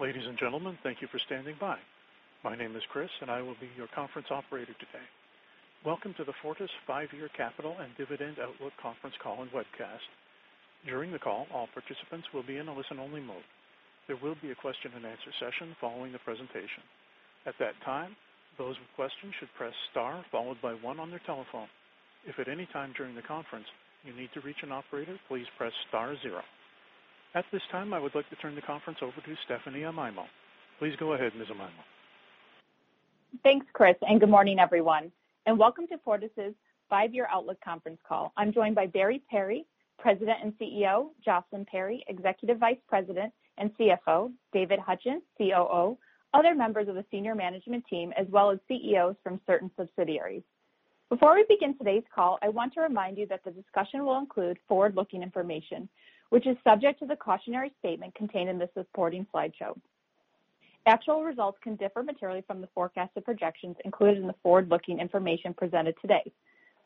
Ladies and gentlemen, thank you for standing by. My name is Chris and I will be your conference operator today. Welcome to the Fortis five-year capital and dividend outlook conference call and webcast. During the call, all participants will be in a listen-only mode. There will be a question and answer session following the presentation. At that time, those with questions should press star followed by one on their telephone. If at any time during the conference, you need to reach an operator, please press star zero. At this time, I would like to turn the conference over to Stephanie Amaimo. Please go ahead, Ms. Amaimo. Thanks, Chris, and good morning, everyone, and welcome to Fortis' five-year outlook conference call. I'm joined by Barry Perry, President and CEO, Jocelyn Perry, Executive Vice President and CFO, David Hutchens, COO, other members of the senior management team, as well as CEOs from certain subsidiaries. Before we begin today's call, I want to remind you that the discussion will include forward-looking information, which is subject to the cautionary statement contained in the supporting slideshow. Actual results can differ materially from the forecasted projections included in the forward-looking information presented today.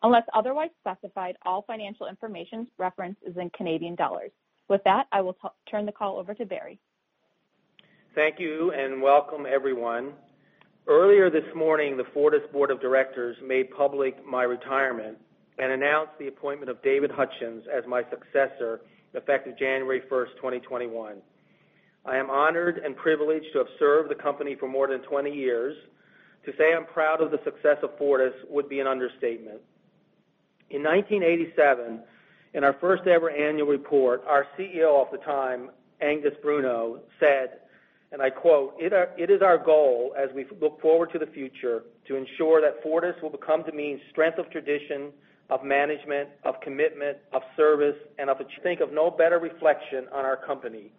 Unless otherwise specified, all financial information referenced is in Canadian dollars. With that, I will turn the call over to Barry. Thank you, and welcome, everyone. Earlier this morning, the Fortis Board of Directors made public my retirement and announced the appointment of David Hutchens as my successor, effective January 1st, 2021. I am honored and privileged to have served the company for more than 20 years. To say I'm proud of the success of Fortis would be an understatement. In 1987, in our first-ever annual report, our CEO at the time, Angus Bruneau, said, and I quote, "It is our goal as we look forward to the future to ensure that Fortis will come to mean strength of tradition, of management, of commitment, of service, think of no better reflection on our company."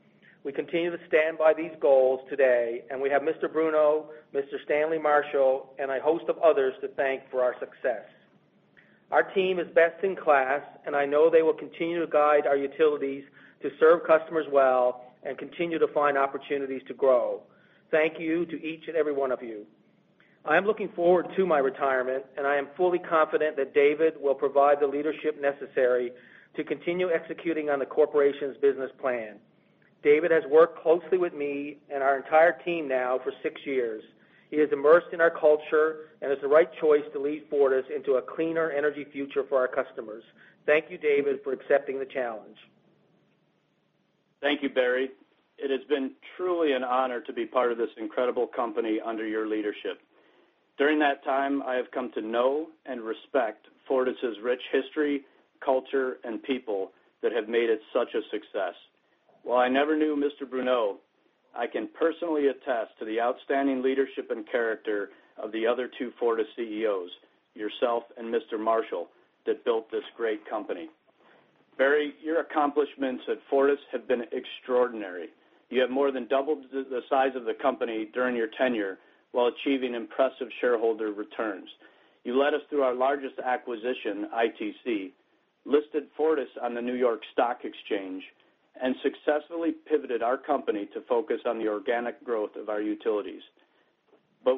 We continue to stand by these goals today, and we have Mr. Bruneau, Mr. Stanley Marshall, and a host of others to thank for our success. Our team is best in class, and I know they will continue to guide our utilities to serve customers well and continue to find opportunities to grow. Thank you to each and every one of you. I am looking forward to my retirement, and I am fully confident that David will provide the leadership necessary to continue executing on the corporation's business plan. David has worked closely with me and our entire team now for six years. He is immersed in our culture and is the right choice to lead Fortis into a cleaner energy future for our customers. Thank you, David, for accepting the challenge. Thank you, Barry. It has been truly an honor to be part of this incredible company under your leadership. During that time, I have come to know and respect Fortis' rich history, culture, and people that have made it such a success. While I never knew Mr. Bruneau, I can personally attest to the outstanding leadership and character of the other two Fortis CEOs, yourself and Mr. Marshall, that built this great company. Barry, your accomplishments at Fortis have been extraordinary. You have more than doubled the size of the company during your tenure while achieving impressive shareholder returns. You led us through our largest acquisition, ITC, listed Fortis on the New York Stock Exchange, and successfully pivoted our company to focus on the organic growth of our utilities.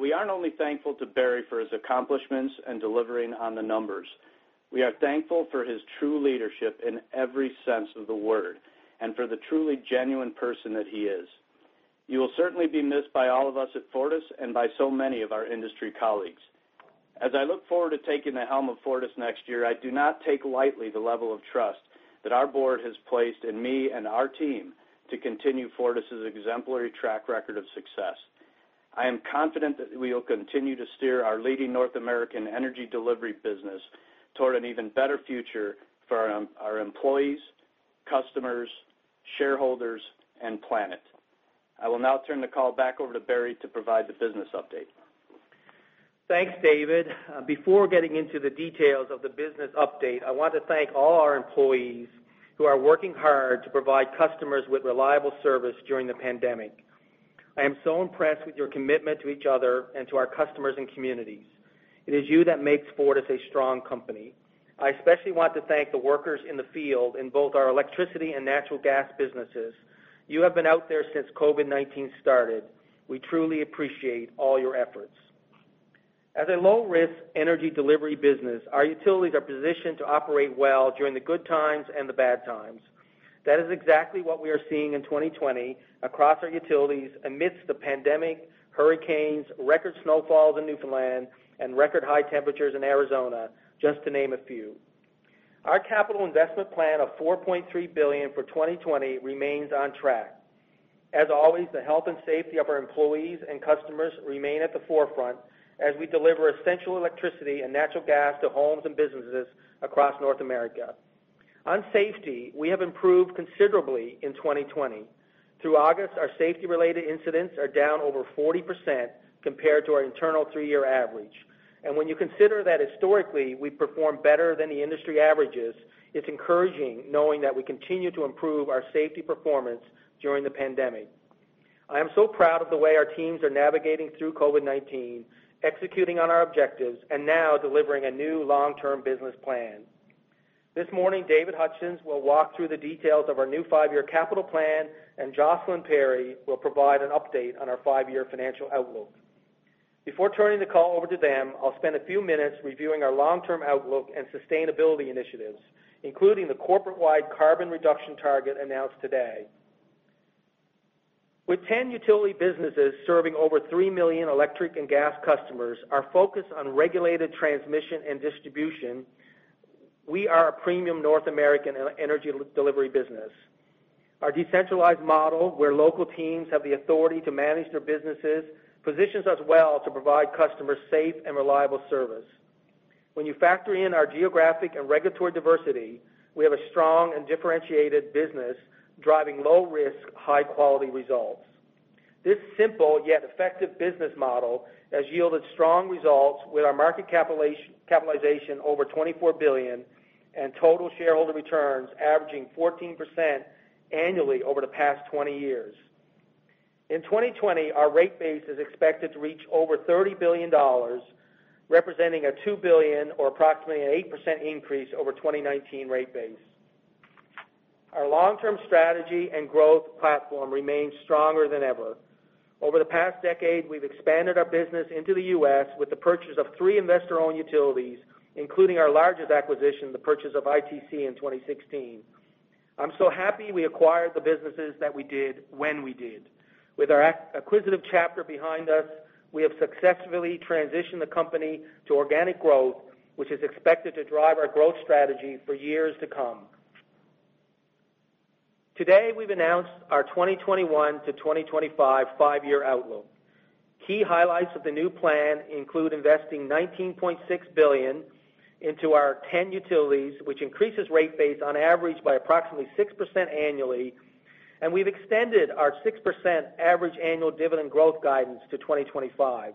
We aren't only thankful to Barry for his accomplishments and delivering on the numbers. We are thankful for his true leadership in every sense of the word, and for the truly genuine person that he is. You will certainly be missed by all of us at Fortis and by so many of our industry colleagues. As I look forward to taking the helm of Fortis next year, I do not take lightly the level of trust that our board has placed in me and our team to continue Fortis' exemplary track record of success. I am confident that we will continue to steer our leading North American energy delivery business toward an even better future for our employees, customers, shareholders, and planet. I will now turn the call back over to Barry to provide the business update. Thanks, David. Before getting into the details of the business update, I want to thank all our employees who are working hard to provide customers with reliable service during the pandemic. I am so impressed with your commitment to each other and to our customers and communities. It is you that makes Fortis a strong company. I especially want to thank the workers in the field in both our electricity and natural gas businesses. You have been out there since COVID-19 started. We truly appreciate all your efforts. As a low-risk energy delivery business, our utilities are positioned to operate well during the good times and the bad times. That is exactly what we are seeing in 2020 across our utilities amidst the pandemic, hurricanes, record snowfalls in Newfoundland, and record high temperatures in Arizona, just to name a few. Our capital investment plan of 4.3 billion for 2020 remains on track. As always, the health and safety of our employees and customers remain at the forefront as we deliver essential electricity and natural gas to homes and businesses across North America. On safety, we have improved considerably in 2020. Through August, our safety-related incidents are down over 40% compared to our internal three-year average. When you consider that historically, we perform better than the industry averages, it's encouraging knowing that we continue to improve our safety performance during the pandemic. I am so proud of the way our teams are navigating through COVID-19, executing on our objectives, and now delivering a new long-term business plan. This morning, David Hutchens will walk through the details of our new five-year capital plan, and Jocelyn Perry will provide an update on our five-year financial outlook. Before turning the call over to them, I'll spend a few minutes reviewing our long-term outlook and sustainability initiatives, including the corporate-wide carbon reduction target announced today. With 10 utility businesses serving over 3 million electric and gas customers, our focus on regulated transmission and distribution, we are a premium North American energy delivery business. Our decentralized model, where local teams have the authority to manage their businesses, positions us well to provide customers safe and reliable service. When you factor in our geographic and regulatory diversity, we have a strong and differentiated business driving low-risk, high-quality results. This simple yet effective business model has yielded strong results with our market capitalization over 24 billion and total shareholder returns averaging 14% annually over the past 20 years. In 2020, our rate base is expected to reach over 30 billion dollars, representing a 2 billion or approximately an 8% increase over 2019 rate base. Our long-term strategy and growth platform remains stronger than ever. Over the past decade, we've expanded our business into the U.S. with the purchase of three investor-owned utilities, including our largest acquisition, the purchase of ITC in 2016. I'm so happy we acquired the businesses that we did when we did. With our acquisitive chapter behind us, we have successfully transitioned the company to organic growth, which is expected to drive our growth strategy for years to come. Today, we've announced our 2021-2025 five-year outlook. Key highlights of the new plan include investing 19.6 billion into our 10 utilities, which increases rate base on average by approximately 6% annually, and we've extended our 6% average annual dividend growth guidance to 2025.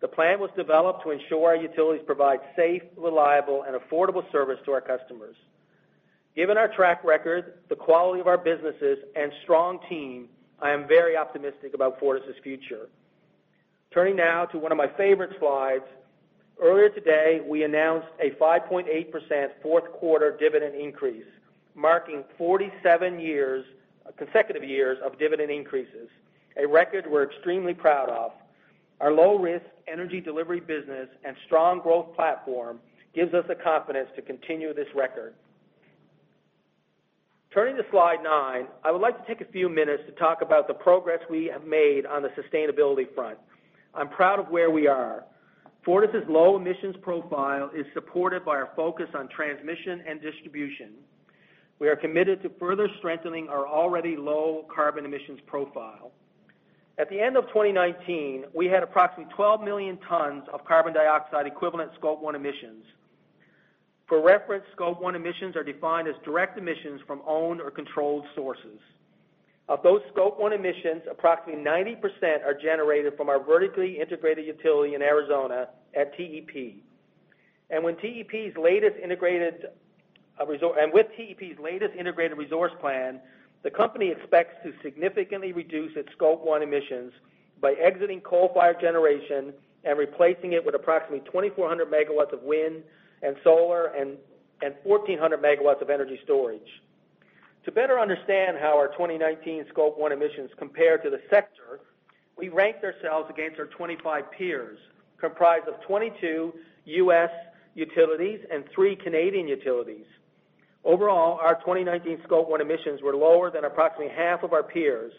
The plan was developed to ensure our utilities provide safe, reliable, and affordable service to our customers. Given our track record, the quality of our businesses, and strong team, I am very optimistic about Fortis' future. Turning now to one of my favorite slides. Earlier today, we announced a 5.8% fourth-quarter dividend increase, marking 47 consecutive years of dividend increases, a record we're extremely proud of. Our low-risk energy delivery business and strong growth platform gives us the confidence to continue this record. Turning to slide nine, I would like to take a few minutes to talk about the progress we have made on the sustainability front. I'm proud of where we are. Fortis' low-emissions profile is supported by our focus on transmission and distribution. We are committed to further strengthening our already low carbon emissions profile. At the end of 2019, we had approximately 12 million tons of carbon dioxide equivalent Scope 1 emissions. For reference, Scope 1 emissions are defined as direct emissions from owned or controlled sources. Of those Scope 1 emissions, approximately 90% are generated from our vertically integrated utility in Arizona at TEP. With TEP's latest integrated resource plan, the company expects to significantly reduce its Scope 1 emissions by exiting coal-fired generation and replacing it with approximately 2,400 MW of wind and solar and 1,400 MW of energy storage. To better understand how our 2019 Scope 1 emissions compare to the sector, we ranked ourselves against our 25 peers, comprised of 22 U.S. utilities and three Canadian utilities. Our 2019 Scope 1 emissions were lower than approximately half of our peers,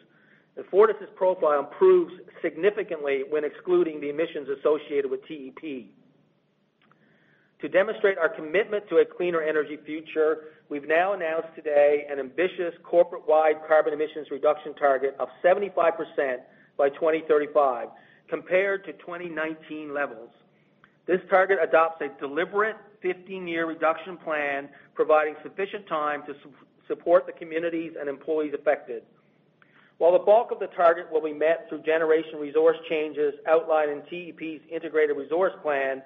and Fortis' profile improves significantly when excluding the emissions associated with TEP. To demonstrate our commitment to a cleaner energy future, we've now announced today an ambitious corporate-wide carbon emissions reduction target of 75% by 2035 compared to 2019 levels. This target adopts a deliberate 15-year reduction plan, providing sufficient time to support the communities and employees affected. While the bulk of the target will be met through generation resource changes outlined in TEP's integrated resource plan,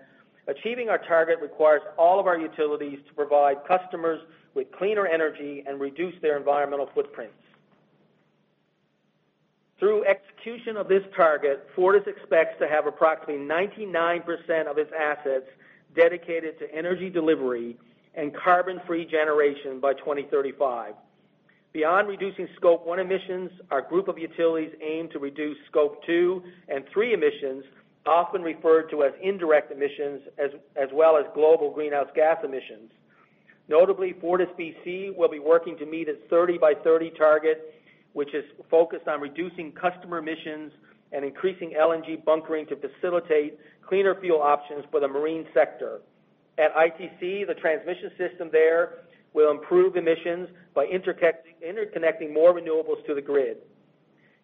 achieving our target requires all of our utilities to provide customers with cleaner energy and reduce their environmental footprints. Through execution of this target, Fortis expects to have approximately 99% of its assets dedicated to energy delivery and carbon-free generation by 2035. Beyond reducing Scope 1 emissions, our group of utilities aim to reduce Scope 2 and 3 emissions, often referred to as indirect emissions, as well as global greenhouse gas emissions. Notably, FortisBC will be working to meet its 30BY30 target, which is focused on reducing customer emissions and increasing LNG bunkering to facilitate cleaner fuel options for the marine sector. At ITC, the transmission system there will improve emissions by interconnecting more renewables to the grid.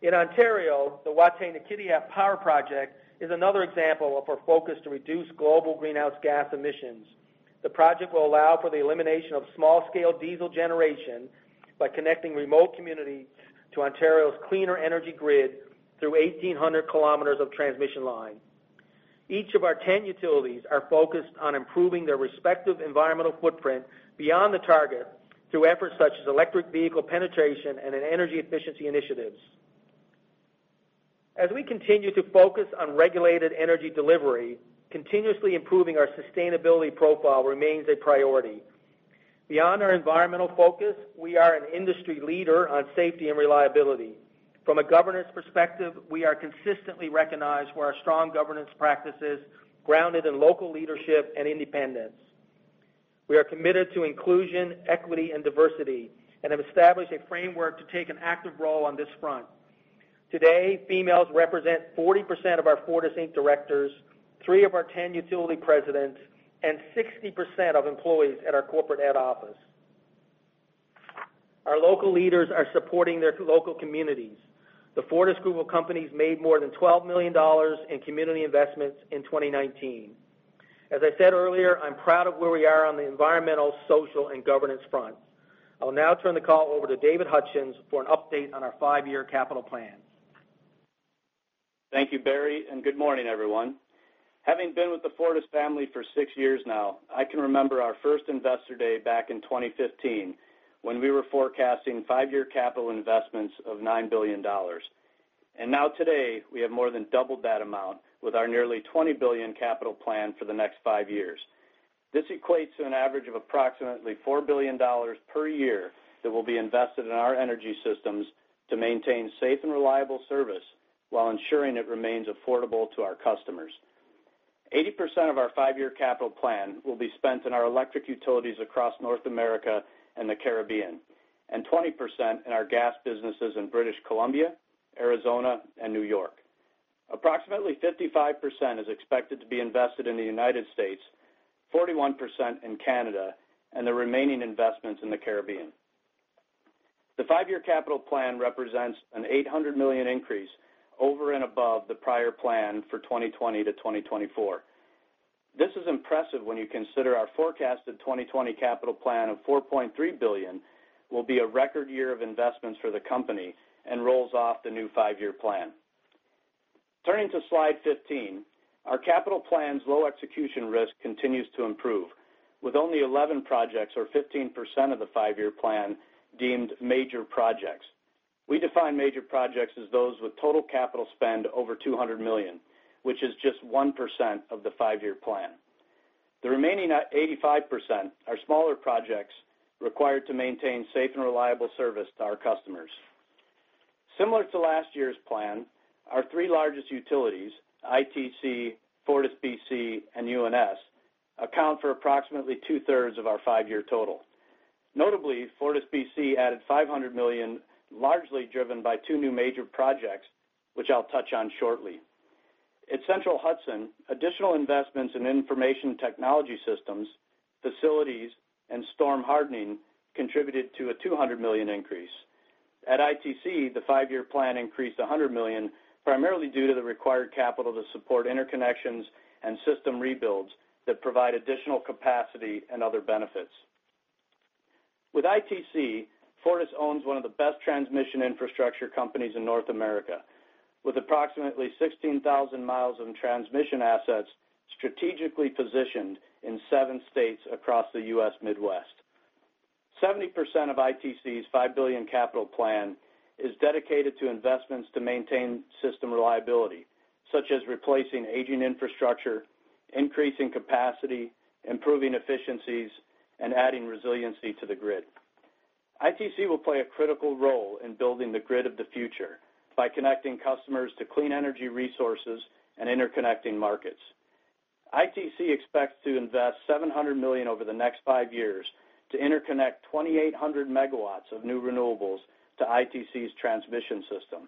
In Ontario, the Wataynikaneyap Power Project is another example of our focus to reduce global greenhouse gas emissions. The project will allow for the elimination of small-scale diesel generation by connecting remote communities to Ontario's cleaner energy grid through 1,800 km of transmission line. Each of our 10 utilities are focused on improving their respective environmental footprint beyond the target through efforts such as electric vehicle penetration and energy efficiency initiatives. As we continue to focus on regulated energy delivery, continuously improving our sustainability profile remains a priority. Beyond our environmental focus, we are an industry leader on safety and reliability. From a governance perspective, we are consistently recognized for our strong governance practices, grounded in local leadership and independence. We are committed to inclusion, equity, and diversity and have established a framework to take an active role on this front. Today, females represent 40% of our Fortis Inc directors, three of our 10 utility presidents, and 60% of employees at our corporate head office. Our local leaders are supporting their local communities. The Fortis group of companies made more than 12 million dollars in community investments in 2019. As I said earlier, I'm proud of where we are on the environmental, social, and governance front. I will now turn the call over to David Hutchens for an update on our five-year capital plan. Thank you, Barry, and good morning, everyone. Having been with the Fortis family for six years now, I can remember our first Investor Day back in 2015 when we were forecasting five-year capital investments of 9 billion dollars. Now today, we have more than doubled that amount with our nearly 20 billion capital plan for the next five years. This equates to an average of approximately 4 billion dollars per year that will be invested in our energy systems to maintain safe and reliable service while ensuring it remains affordable to our customers. 80% of our five-year capital plan will be spent in our electric utilities across North America and the Caribbean, and 20% in our gas businesses in British Columbia, Arizona, and New York. Approximately 55% is expected to be invested in the United States, 41% in Canada, and the remaining investments in the Caribbean. The five-year capital plan represents a 800 million increase over and above the prior plan for 2020-2024. This is impressive when you consider our forecasted 2020 capital plan of 4.3 billion will be a record year of investments for the company and rolls off the new five-year plan. Turning to slide 15, our capital plan's low execution risk continues to improve, with only 11 projects or 15% of the five-year plan deemed major projects. We define major projects as those with total capital spend over 200 million, which is just 1% of the five-year plan. The remaining 85% are smaller projects required to maintain safe and reliable service to our customers. Similar to last year's plan, our three largest utilities, ITC, FortisBC, and UNS, account for approximately 2/3 of our five-year total. Notably, FortisBC added 500 million, largely driven by two new major projects, which I'll touch on shortly. At Central Hudson, additional investments in information technology systems, facilities, and storm hardening contributed to a 200 million increase. At ITC, the five-year plan increased 100 million, primarily due to the required capital to support interconnections and system rebuilds that provide additional capacity and other benefits. With ITC, Fortis owns one of the best transmission infrastructure companies in North America, with approximately 16,000 mi of transmission assets strategically positioned in seven states across the U.S. Midwest. 70% of ITC's 5 billion capital plan is dedicated to investments to maintain system reliability, such as replacing aging infrastructure, increasing capacity, improving efficiencies, and adding resiliency to the grid. ITC will play a critical role in building the grid of the future by connecting customers to clean energy resources and interconnecting markets. ITC expects to invest 700 million over the next five years to interconnect 2,800 MW of new renewables to ITC's transmission system.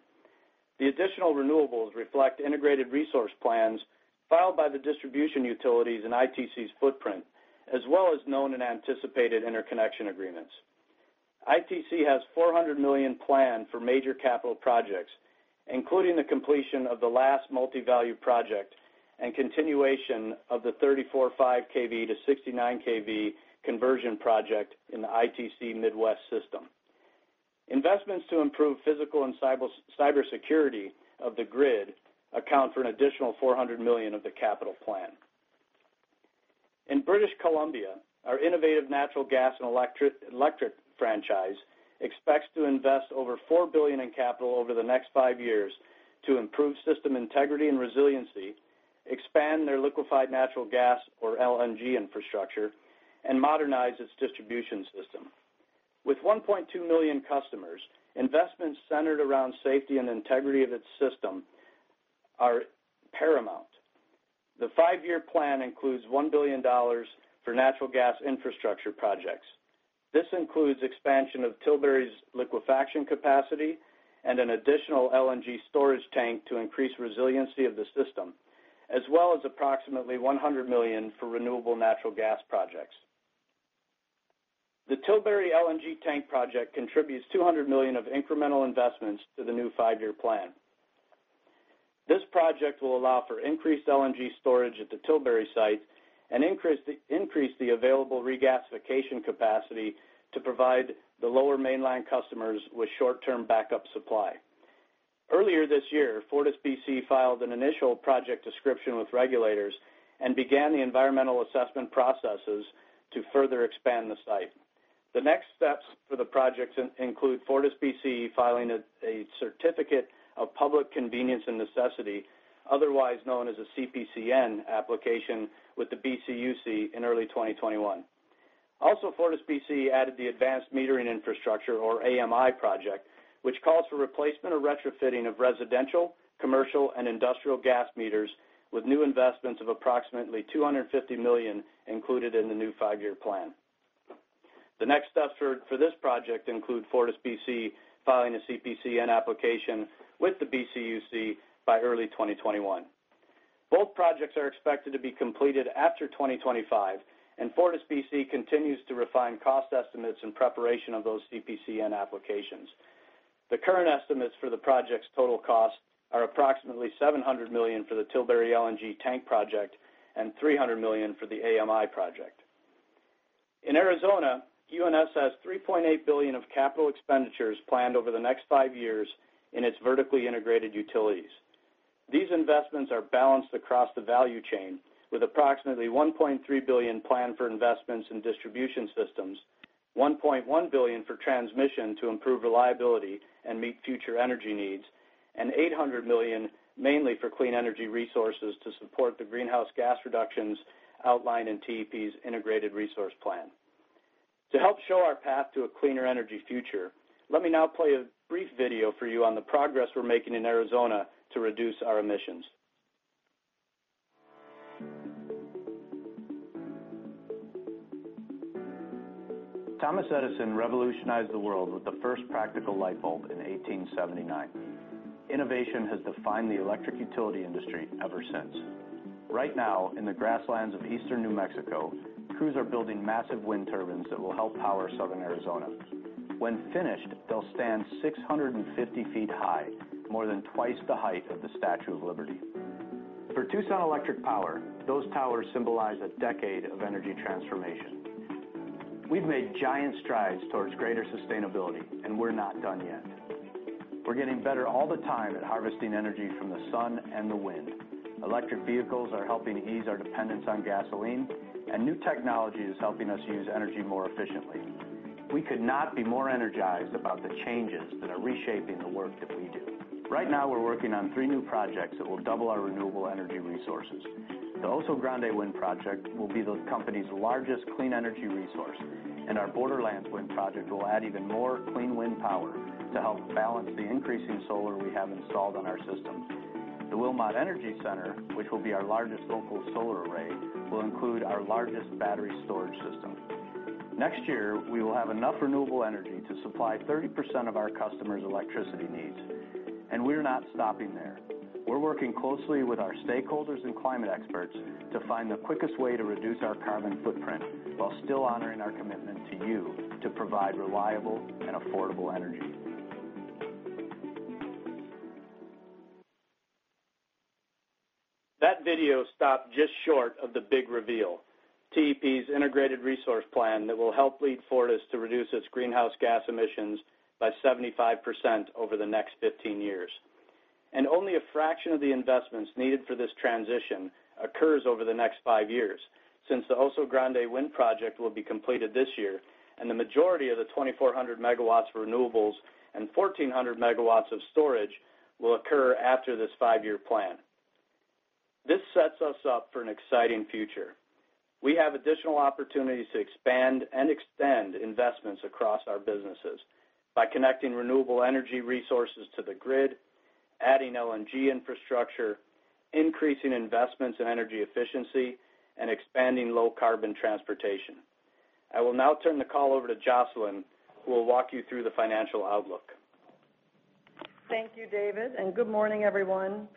The additional renewables reflect integrated resource plans filed by the distribution utilities in ITC's footprint, as well as known and anticipated interconnection agreements. ITC has 400 million planned for major capital projects, including the completion of the last multi-value project and continuation of the 34.5 kV to 69 kV conversion project in the ITC Midwest system. Investments to improve physical and cybersecurity of the grid account for an additional 400 million of the capital plan. In British Columbia, our innovative natural gas and electric franchise expects to invest over 4 billion in capital over the next five years to improve system integrity and resiliency, expand their liquefied natural gas or LNG infrastructure, and modernize its distribution system. With 1.2 million customers, investments centered around safety and integrity of its system are paramount. The five-year plan includes 1 billion dollars for natural gas infrastructure projects. This includes expansion of Tilbury's liquefaction capacity and an additional LNG storage tank to increase resiliency of the system, as well as approximately 100 million for renewable natural gas projects. The Tilbury LNG tank project contributes 200 million of incremental investments to the new five-year plan. This project will allow for increased LNG storage at the Tilbury site and increase the available regasification capacity to provide the lower mainland customers with short-term backup supply. Earlier this year, FortisBC filed an initial project description with regulators and began the environmental assessment processes to further expand the site. The next steps for the projects include FortisBC filing a Certificate of Public Convenience and Necessity, otherwise known as a CPCN application, with the BCUC in early 2021. FortisBC added the Advanced Metering Infrastructure, or AMI project, which calls for replacement or retrofitting of residential, commercial, and industrial gas meters with new investments of approximately 250 million included in the new five-year plan. The next steps for this project include FortisBC filing a CPCN application with the BCUC by early 2021. Both projects are expected to be completed after 2025, and FortisBC continues to refine cost estimates in preparation of those CPCN applications. The current estimates for the project's total cost are approximately 700 million for the Tilbury LNG tank project and 300 million for the AMI project. In Arizona, UNS has 3.8 billion of capital expenditures planned over the next five years in its vertically integrated utilities. These investments are balanced across the value chain with approximately 1.3 billion planned for investments in distribution systems, 1.1 billion for transmission to improve reliability and meet future energy needs, and 800 million mainly for clean energy resources to support the greenhouse gas reductions outlined in TEP's integrated resource plan. To help show our path to a cleaner energy future, let me now play a brief video for you on the progress we're making in Arizona to reduce our emissions. Thomas Edison revolutionized the world with the first practical light bulb in 1879. Innovation has defined the electric utility industry ever since. Right now in the grasslands of eastern New Mexico, crews are building massive wind turbines that will help power southern Arizona. When finished, they'll stand 650 ft high, more than twice the height of the Statue of Liberty. For Tucson Electric Power, those towers symbolize a decade of energy transformation. We've made giant strides towards greater sustainability. We're not done yet. We're getting better all the time at harvesting energy from the sun and the wind. Electric vehicles are helping ease our dependence on gasoline. New technology is helping us use energy more efficiently. We could not be more energized about the changes that are reshaping the work that we do. Right now, we're working on three new projects that will double our renewable energy resources. The Oso Grande Wind Project will be the company's largest clean energy resource. Our Borderlands Wind Project will add even more clean wind power to help balance the increasing solar we have installed on our systems. The Wilmot Energy Center, which will be our largest local solar array, will include our largest battery storage system. Next year, we will have enough renewable energy to supply 30% of our customers' electricity needs. We're not stopping there. We're working closely with our stakeholders and climate experts to find the quickest way to reduce our carbon footprint while still honoring our commitment to you to provide reliable and affordable energy. That video stopped just short of the big reveal. TEP's Integrated Resource Plan that will help lead Fortis to reduce its greenhouse gas emissions by 75% over the next 15 years. Only a fraction of the investments needed for this transition occurs over the next five years since the Oso Grande Wind Project will be completed this year, and the majority of the 2,400 MW for renewables and 1,400 MW of storage will occur after this five-year plan. This sets us up for an exciting future. We have additional opportunities to expand and extend investments across our businesses by connecting renewable energy resources to the grid, adding LNG infrastructure, increasing investments in energy efficiency, and expanding low-carbon transportation. I will now turn the call over to Jocelyn, who will walk you through the financial outlook. Thank you, David. Good morning, everyone.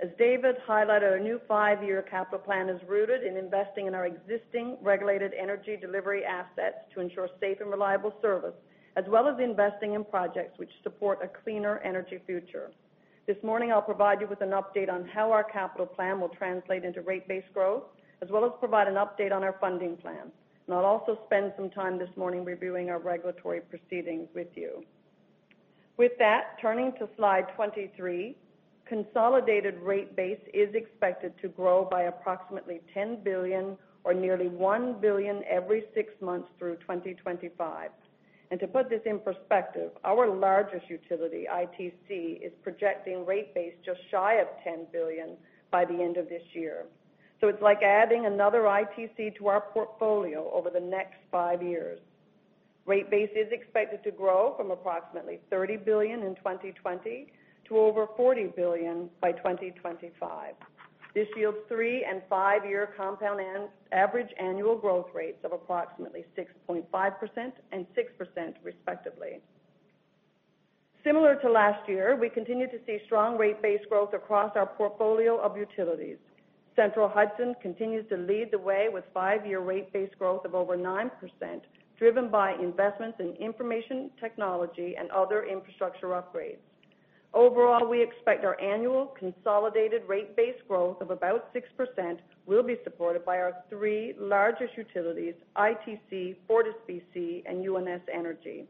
As David highlighted, our new five-year capital plan is rooted in investing in our existing regulated energy delivery assets to ensure safe and reliable service, as well as investing in projects which support a cleaner energy future. This morning, I will provide you with an update on how our capital plan will translate into rate base growth, as well as provide an update on our funding plan. I will also spend some time this morning reviewing our regulatory proceedings with you. With that, turning to slide 23, consolidated rate base is expected to grow by approximately 10 billion or nearly 1 billion every six months through 2025. To put this in perspective, our largest utility, ITC, is projecting rate base just shy of 10 billion by the end of this year. It's like adding another ITC to our portfolio over the next five years. Rate base is expected to grow from approximately 30 billion in 2020 to over 40 billion by 2025. This yields three and five-year compound average annual growth rates of approximately 6.5% and 6%, respectively. Similar to last year, we continue to see strong rate base growth across our portfolio of utilities. Central Hudson continues to lead the way with five-year rate base growth of over 9%, driven by investments in information technology and other infrastructure upgrades. Overall, we expect our annual consolidated rate base growth of about 6% will be supported by our three largest utilities, ITC, FortisBC, and UNS Energy.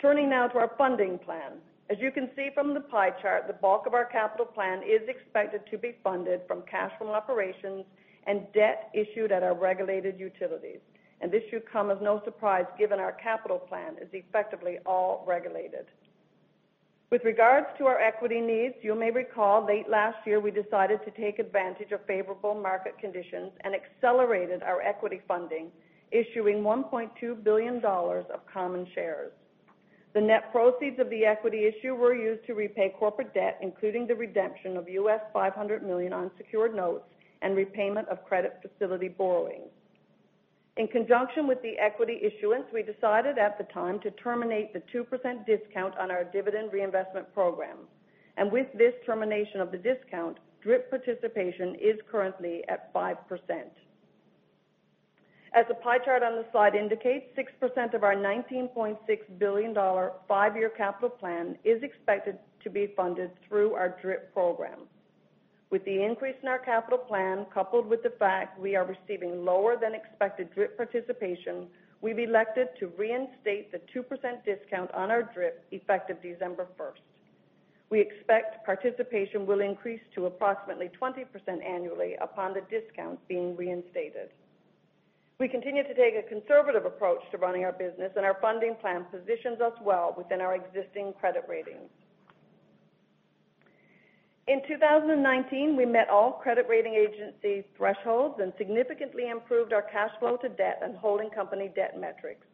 Turning now to our funding plan. As you can see from the pie chart, the bulk of our capital plan is expected to be funded from cash from operations and debt issued at our regulated utilities. This should come as no surprise given our capital plan is effectively all regulated. With regards to our equity needs, you may recall late last year, we decided to take advantage of favorable market conditions and accelerated our equity funding, issuing 1.2 billion dollars of common shares. The net proceeds of the equity issue were used to repay corporate debt, including the redemption of $500 million unsecured notes and repayment of credit facility borrowings. In conjunction with the equity issuance, we decided at the time to terminate the 2% discount on our dividend reinvestment program. With this termination of the discount, DRIP participation is currently at 5%. As the pie chart on the slide indicates, 6% of our 19.6 billion dollar five-year capital plan is expected to be funded through our DRIP program. With the increase in our capital plan, coupled with the fact we are receiving lower than expected DRIP participation, we've elected to reinstate the 2% discount on our DRIP effective December 1st. We expect participation will increase to approximately 20% annually upon the discount being reinstated. We continue to take a conservative approach to running our business and our funding plan positions us well within our existing credit ratings. In 2019, we met all credit rating agency thresholds and significantly improved our cash flow to debt and holding company debt metrics.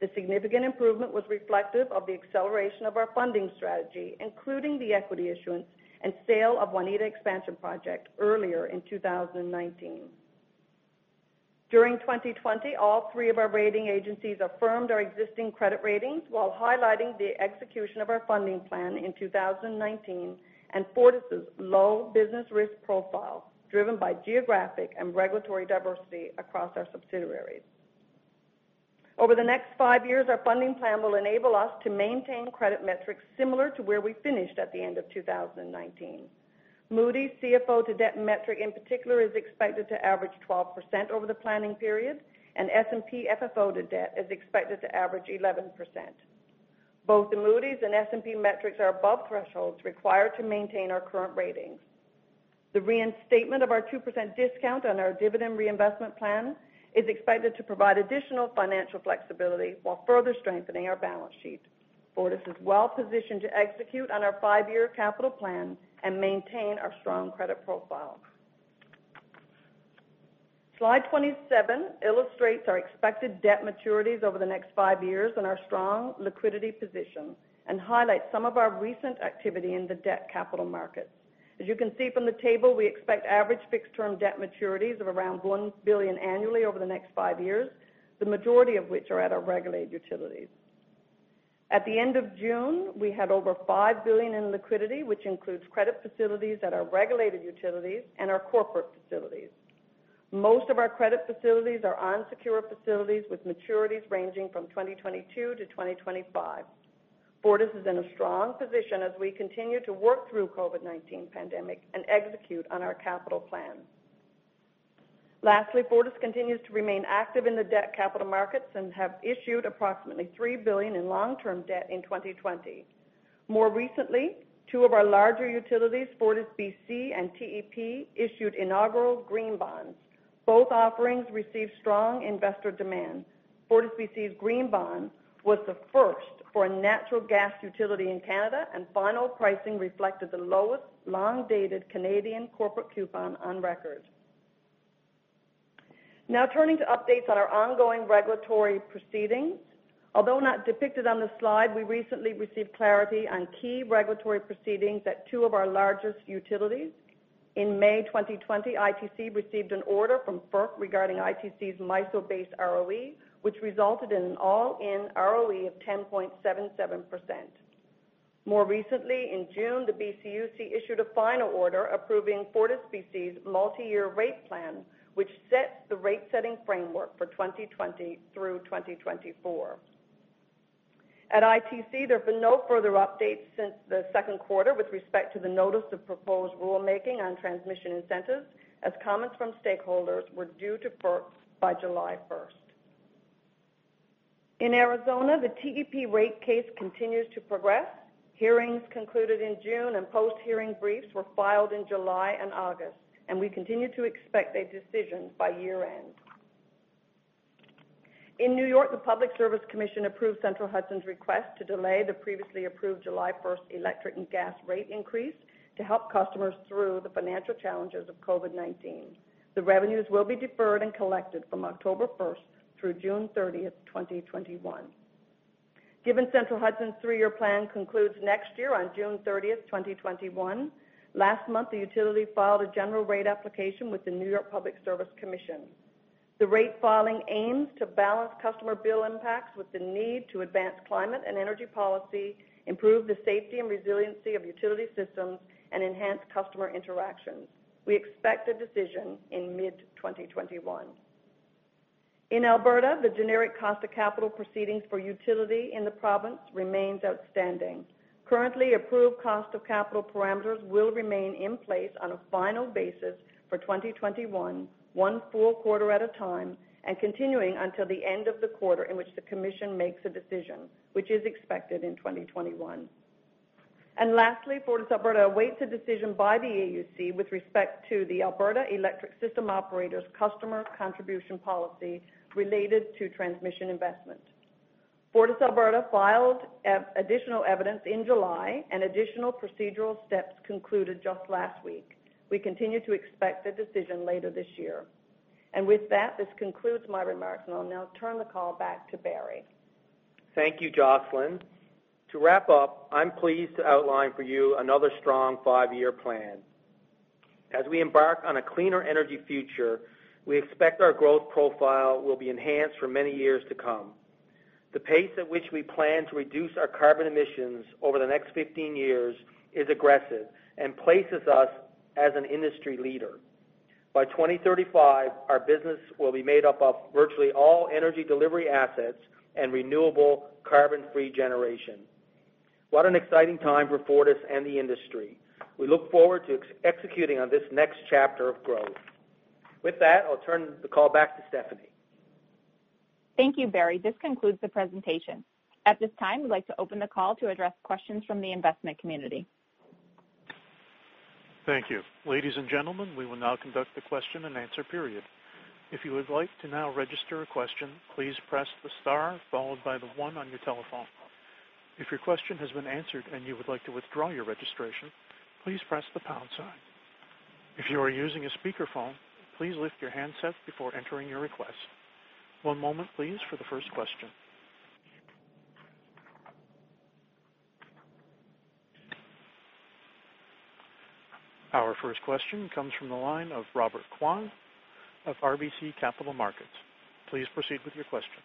The significant improvement was reflective of the acceleration of our funding strategy, including the equity issuance and sale of Waneta Expansion Project earlier in 2019. During 2020, all three of our rating agencies affirmed our existing credit ratings while highlighting the execution of our funding plan in 2019 and Fortis' low business risk profile, driven by geographic and regulatory diversity across our subsidiaries. Over the next five years, our funding plan will enable us to maintain credit metrics similar to where we finished at the end of 2019. Moody's CFO-to-debt metric in particular is expected to average 12% over the planning period and S&P FFO-to-debt is expected to average 11%. Both the Moody's and S&P metrics are above thresholds required to maintain our current ratings. The reinstatement of our 2% discount on our dividend reinvestment plan is expected to provide additional financial flexibility while further strengthening our balance sheet. Fortis is well-positioned to execute on our five-year capital plan and maintain our strong credit profile. Slide 27 illustrates our expected debt maturities over the next five years and our strong liquidity position and highlights some of our recent activity in the debt capital markets. As you can see from the table, we expect average fixed-term debt maturities of around 1 billion annually over the next five years, the majority of which are at our regulated utilities. At the end of June, we had over 5 billion in liquidity, which includes credit facilities at our regulated utilities and our corporate facilities. Most of our credit facilities are unsecured facilities with maturities ranging from 2022 to 2025. Fortis is in a strong position as we continue to work through COVID-19 pandemic and execute on our capital plan. Lastly, Fortis continues to remain active in the debt capital markets and have issued approximately 3 billion in long-term debt in 2020. More recently, two of our larger utilities, FortisBC and TEP, issued inaugural green bonds. Both offerings received strong investor demand. FortisBC's green bond was the first for a natural gas utility in Canada, and final pricing reflected the lowest long-dated Canadian corporate coupon on record. Turning to updates on our ongoing regulatory proceedings. Although not depicted on the slide, we recently received clarity on key regulatory proceedings at two of our largest utilities. In May 2020, ITC received an order from FERC regarding ITC's MISO base ROE, which resulted in an all-in ROE of 10.77%. More recently, in June, the BCUC issued a final order approving FortisBC's multi-year rate plan, which sets the rate-setting framework for 2020 through 2024. At ITC, there have been no further updates since the second quarter with respect to the notice of proposed rulemaking on transmission incentives, as comments from stakeholders were due to FERC by July 1st. In Arizona, the TEP rate case continues to progress. Hearings concluded in June and post-hearing briefs were filed in July and August. We continue to expect a decision by year-end. In New York, the Public Service Commission approved Central Hudson's request to delay the previously approved July 1st electric and gas rate increase to help customers through the financial challenges of COVID-19. The revenues will be deferred and collected from October 1st through June 30th, 2021. Given Central Hudson's three-year plan concludes next year on June 30th, 2021, last month, the utility filed a general rate application with the New York Public Service Commission. The rate filing aims to balance customer bill impacts with the need to advance climate and energy policy, improve the safety and resiliency of utility systems, and enhance customer interactions. We expect a decision in mid-2021. In Alberta, the generic cost of capital proceedings for utility in the province remains outstanding. Currently approved cost of capital parameters will remain in place on a final basis for 2021, one full quarter at a time, continuing until the end of the quarter in which the commission makes a decision, which is expected in 2021. Lastly, FortisAlberta awaits a decision by the AUC with respect to the Alberta Electric System Operator customer contribution policy related to transmission investment. FortisAlberta filed additional evidence in July and additional procedural steps concluded just last week. We continue to expect a decision later this year. With that, this concludes my remarks. I'll now turn the call back to Barry. Thank you, Jocelyn. To wrap up, I'm pleased to outline for you another strong five-year plan. As we embark on a cleaner energy future, we expect our growth profile will be enhanced for many years to come. The pace at which we plan to reduce our carbon emissions over the next 15 years is aggressive and places us as an industry leader. By 2035, our business will be made up of virtually all energy delivery assets and renewable carbon-free generation. What an exciting time for Fortis and the industry. We look forward to executing on this next chapter of growth. With that, I'll turn the call back to Stephanie. Thank you, Barry. This concludes the presentation. At this time, we'd like to open the call to address questions from the investment community. Thank you. Ladies and gentlemen, we will now conduct the question and answer period. If you would like to now register a question, please press the star followed by the one on your telephone. If your question has been answered and you would like to withdraw your registration, please press the pound sign. If you are using a speakerphone, please lift your handset before entering your request. One moment, please, for the first question. Our first question comes from the line of Robert Kwan of RBC Capital Markets. Please proceed with your question.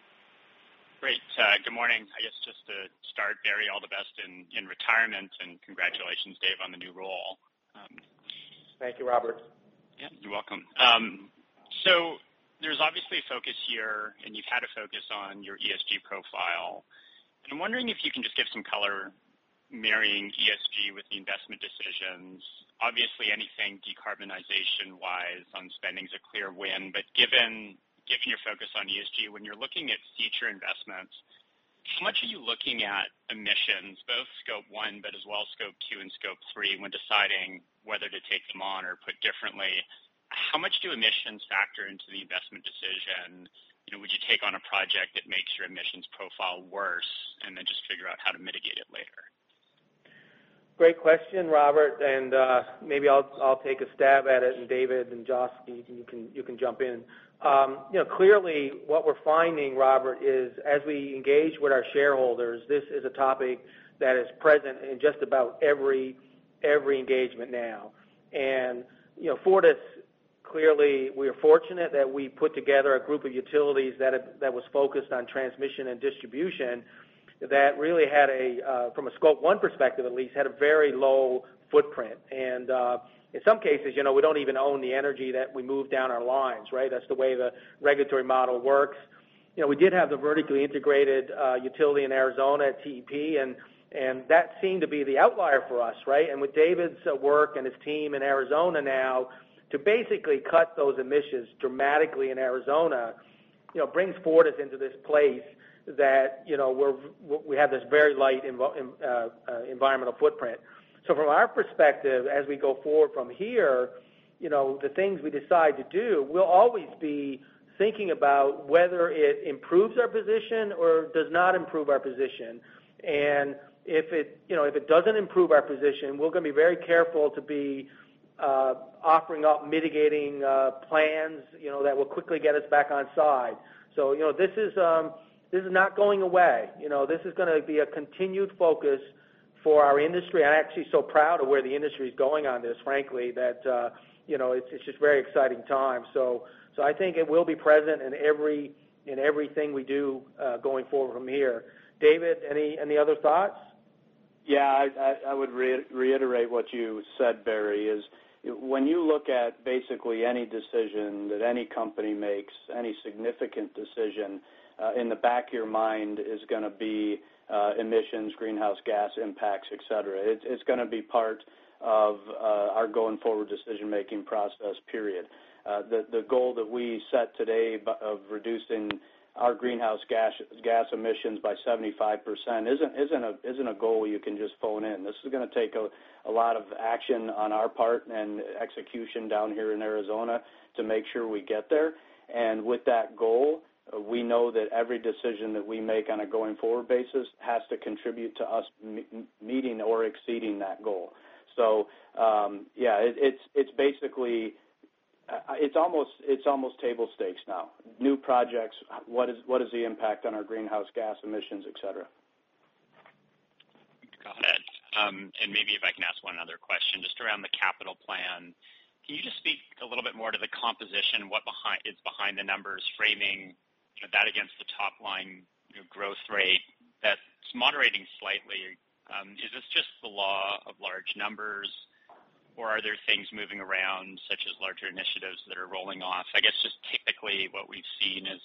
Great. Good morning. I guess just to start, Barry, all the best in retirement and congratulations, Dave, on the new role. Thank you, Robert. You're welcome. There's obviously a focus here, and you've had a focus on your ESG profile. I'm wondering if you can just give some color marrying ESG with the investment decisions. Obviously, anything decarbonization-wise on spending is a clear win. Given your focus on ESG, when you're looking at future investments, how much are you looking at emissions, both Scope 1, but as well Scope 2 and Scope 3 when deciding whether to take them on? Put differently, how much do emissions factor into the investment decision? Would you take on a project that makes your emissions profile worse and then just figure out how to mitigate it later? Great question, Robert, and maybe I'll take a stab at it, and David and Jocelyn, you can jump in. Clearly, what we're finding, Robert, is as we engage with our shareholders, this is a topic that is present in just about every engagement now. Fortis, clearly, we are fortunate that we put together a group of utilities that was focused on transmission and distribution that really, from a Scope 1 perspective at least, had a very low footprint. In some cases, we don't even own the energy that we move down our lines, right? That's the way the regulatory model works. We did have the vertically integrated utility in Arizona at TEP, and that seemed to be the outlier for us, right? With David's work and his team in Arizona now to basically cut those emissions dramatically in Arizona brings Fortis into this place that we have this very light environmental footprint. From our perspective, as we go forward from here, the things we decide to do, we'll always be thinking about whether it improves our position or does not improve our position. If it doesn't improve our position, we're going to be very careful to be offering up mitigating plans that will quickly get us back on side. This is not going away. This is going to be a continued focus for our industry. I'm actually so proud of where the industry is going on this, frankly, that it's just a very exciting time. I think it will be present in everything we do going forward from here. David, any other thoughts? Yeah, I would reiterate what you said, Barry, is when you look at basically any decision that any company makes, any significant decision, in the back of your mind is going to be emissions, greenhouse gas impacts, et cetera. It's going to be part of our going-forward decision-making process, period. The goal that we set today of reducing our greenhouse gas emissions by 75% isn't a goal you can just phone in. This is going to take a lot of action on our part and execution down here in Arizona to make sure we get there. With that goal, we know that every decision that we make on a going-forward basis has to contribute to us meeting or exceeding that goal. Yeah, it's almost table stakes now. New projects, what is the impact on our greenhouse gas emissions, et cetera? Got it. Maybe if I can ask one other question, just around the capital plan. Can you just speak a little bit more to the composition? What is behind the numbers framing that against the top-line growth rate that's moderating slightly? Is this just the law of large numbers, or are there things moving around, such as larger initiatives that are rolling off? I guess just typically what we've seen is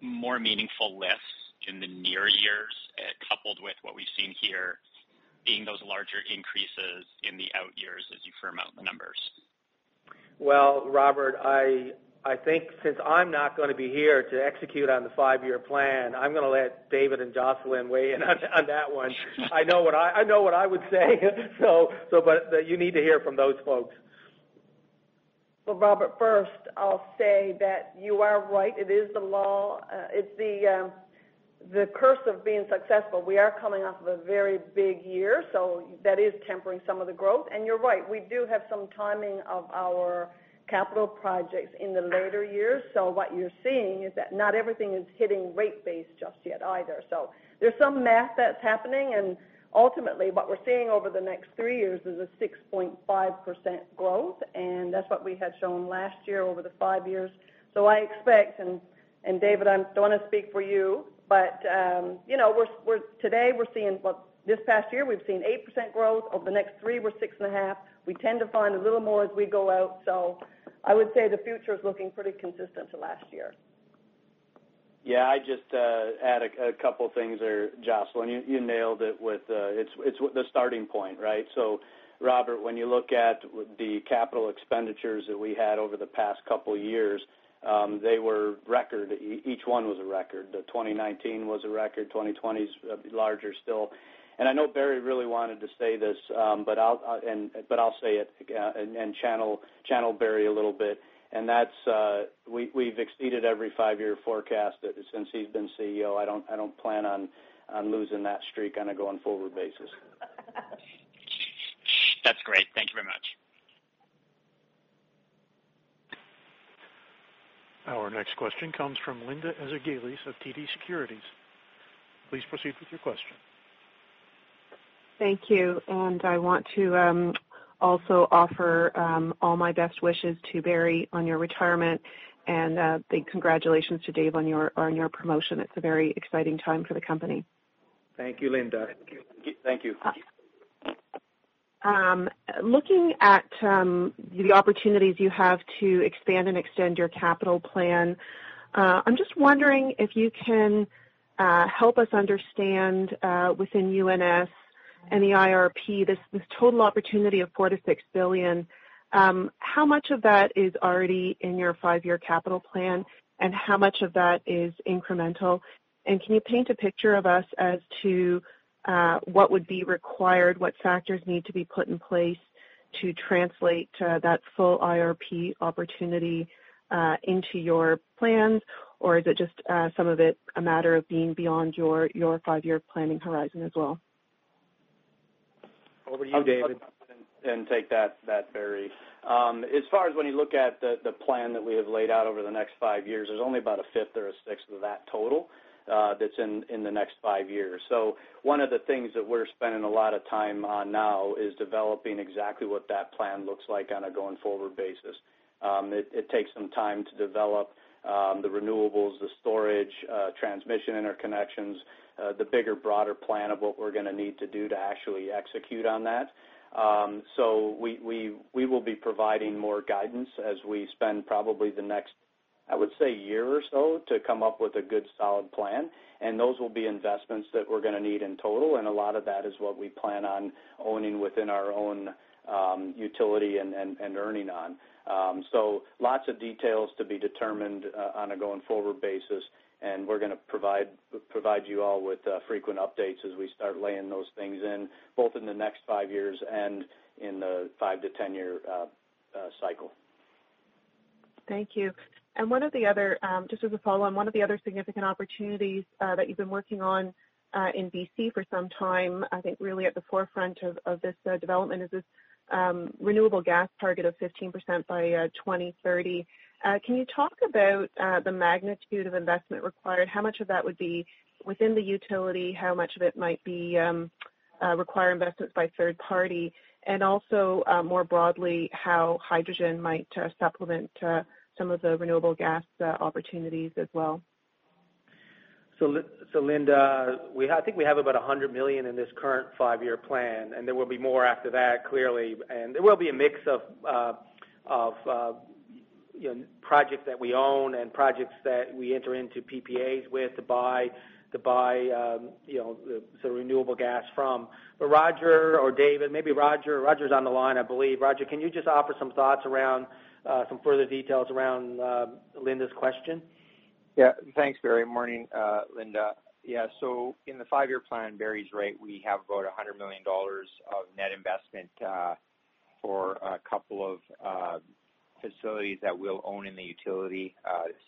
more meaningful lifts in the near years, coupled with what we've seen here being those larger increases in the out-years as you firm out the numbers. Robert, I think since I am not going to be here to execute on the five-year plan, I am going to let David and Jocelyn weigh in on that one. I know what I would say. You need to hear from those folks. Robert, first I will say that you are right. It is the law. It is the curse of being successful. We are coming off of a very big year, that is tempering some of the growth. You are right, we do have some timing of our capital projects in the later years. What you are seeing is that not everything is hitting rate base just yet either. There is some math that is happening, and ultimately what we are seeing over the next three years is a 6.5% growth, and that is what we had shown last year over the five years. I expect, and David, I don't want to speak for you, but this past year we've seen 8% growth. Over the next three, we're 6.5%. We tend to find a little more as we go out. I would say the future is looking pretty consistent to last year. Yeah. I'd just add a couple things there, Jocelyn. You nailed it with the starting point, right? Robert, when you look at the capital expenditures that we had over the past couple years, they were record. Each one was a record. The 2019 was a record, 2020's larger still. I know Barry really wanted to say this, but I'll say it and channel Barry a little bit. That's, we've exceeded every five-year forecast since he's been CEO. I don't plan on losing that streak on a going-forward basis. That's great. Thank you very much. Our next question comes from Linda Ezergailis of TD Securities. Please proceed with your question. Thank you. I want to also offer all my best wishes to Barry on your retirement and big congratulations to Dave on your promotion. It's a very exciting time for the company. Thank you, Linda. Thank you. Looking at the opportunities you have to expand and extend your capital plan, I'm just wondering if you can help us understand within UNS and the IRP, this total opportunity of $4 billion-$6 billion. How much of that is already in your five-year capital plan, and how much of that is incremental? Can you paint a picture of us as to what would be required, what factors need to be put in place to translate that full IRP opportunity into your plans? Is it just some of it a matter of being beyond your five-year planning horizon as well? Over to you, David. Take that, Barry. As far as when you look at the plan that we have laid out over the next five years, there's only about a fifth or a sixth of that total that's in the next five years. One of the things that we're spending a lot of time on now is developing exactly what that plan looks like on a going-forward basis. It takes some time to develop the renewables, the storage, transmission interconnections, the bigger, broader plan of what we're going to need to do to actually execute on that. We will be providing more guidance as we spend probably the next, I would say, year or so to come up with a good, solid plan, and those will be investments that we're going to need in total, and a lot of that is what we plan on owning within our own utility and earning on. Lots of details to be determined on a going-forward basis, and we're going to provide you all with frequent updates as we start laying those things in, both in the next five years and in the 5-10 year cycle. Thank you. Just as a follow-on, one of the other significant opportunities that you've been working on in BC for some time, I think really at the forefront of this development is this renewable gas target of 15% by 2030. Can you talk about the magnitude of investment required? How much of that would be within the utility? How much of it might require investments by third party? Also, more broadly, how hydrogen might supplement some of the renewable gas opportunities as well? Linda, I think we have about 100 million in this current five-year plan, and there will be more after that, clearly. There will be a mix of projects that we own and projects that we enter into PPAs with to buy the renewable gas from. Roger or David, maybe Roger. Roger's on the line, I believe. Roger, can you just offer some thoughts around some further details around Linda's question? Thanks, Barry. Morning, Linda. In the five-year plan, Barry's right. We have about 100 million dollars of net investment for a couple of facilities that we'll own in the utility.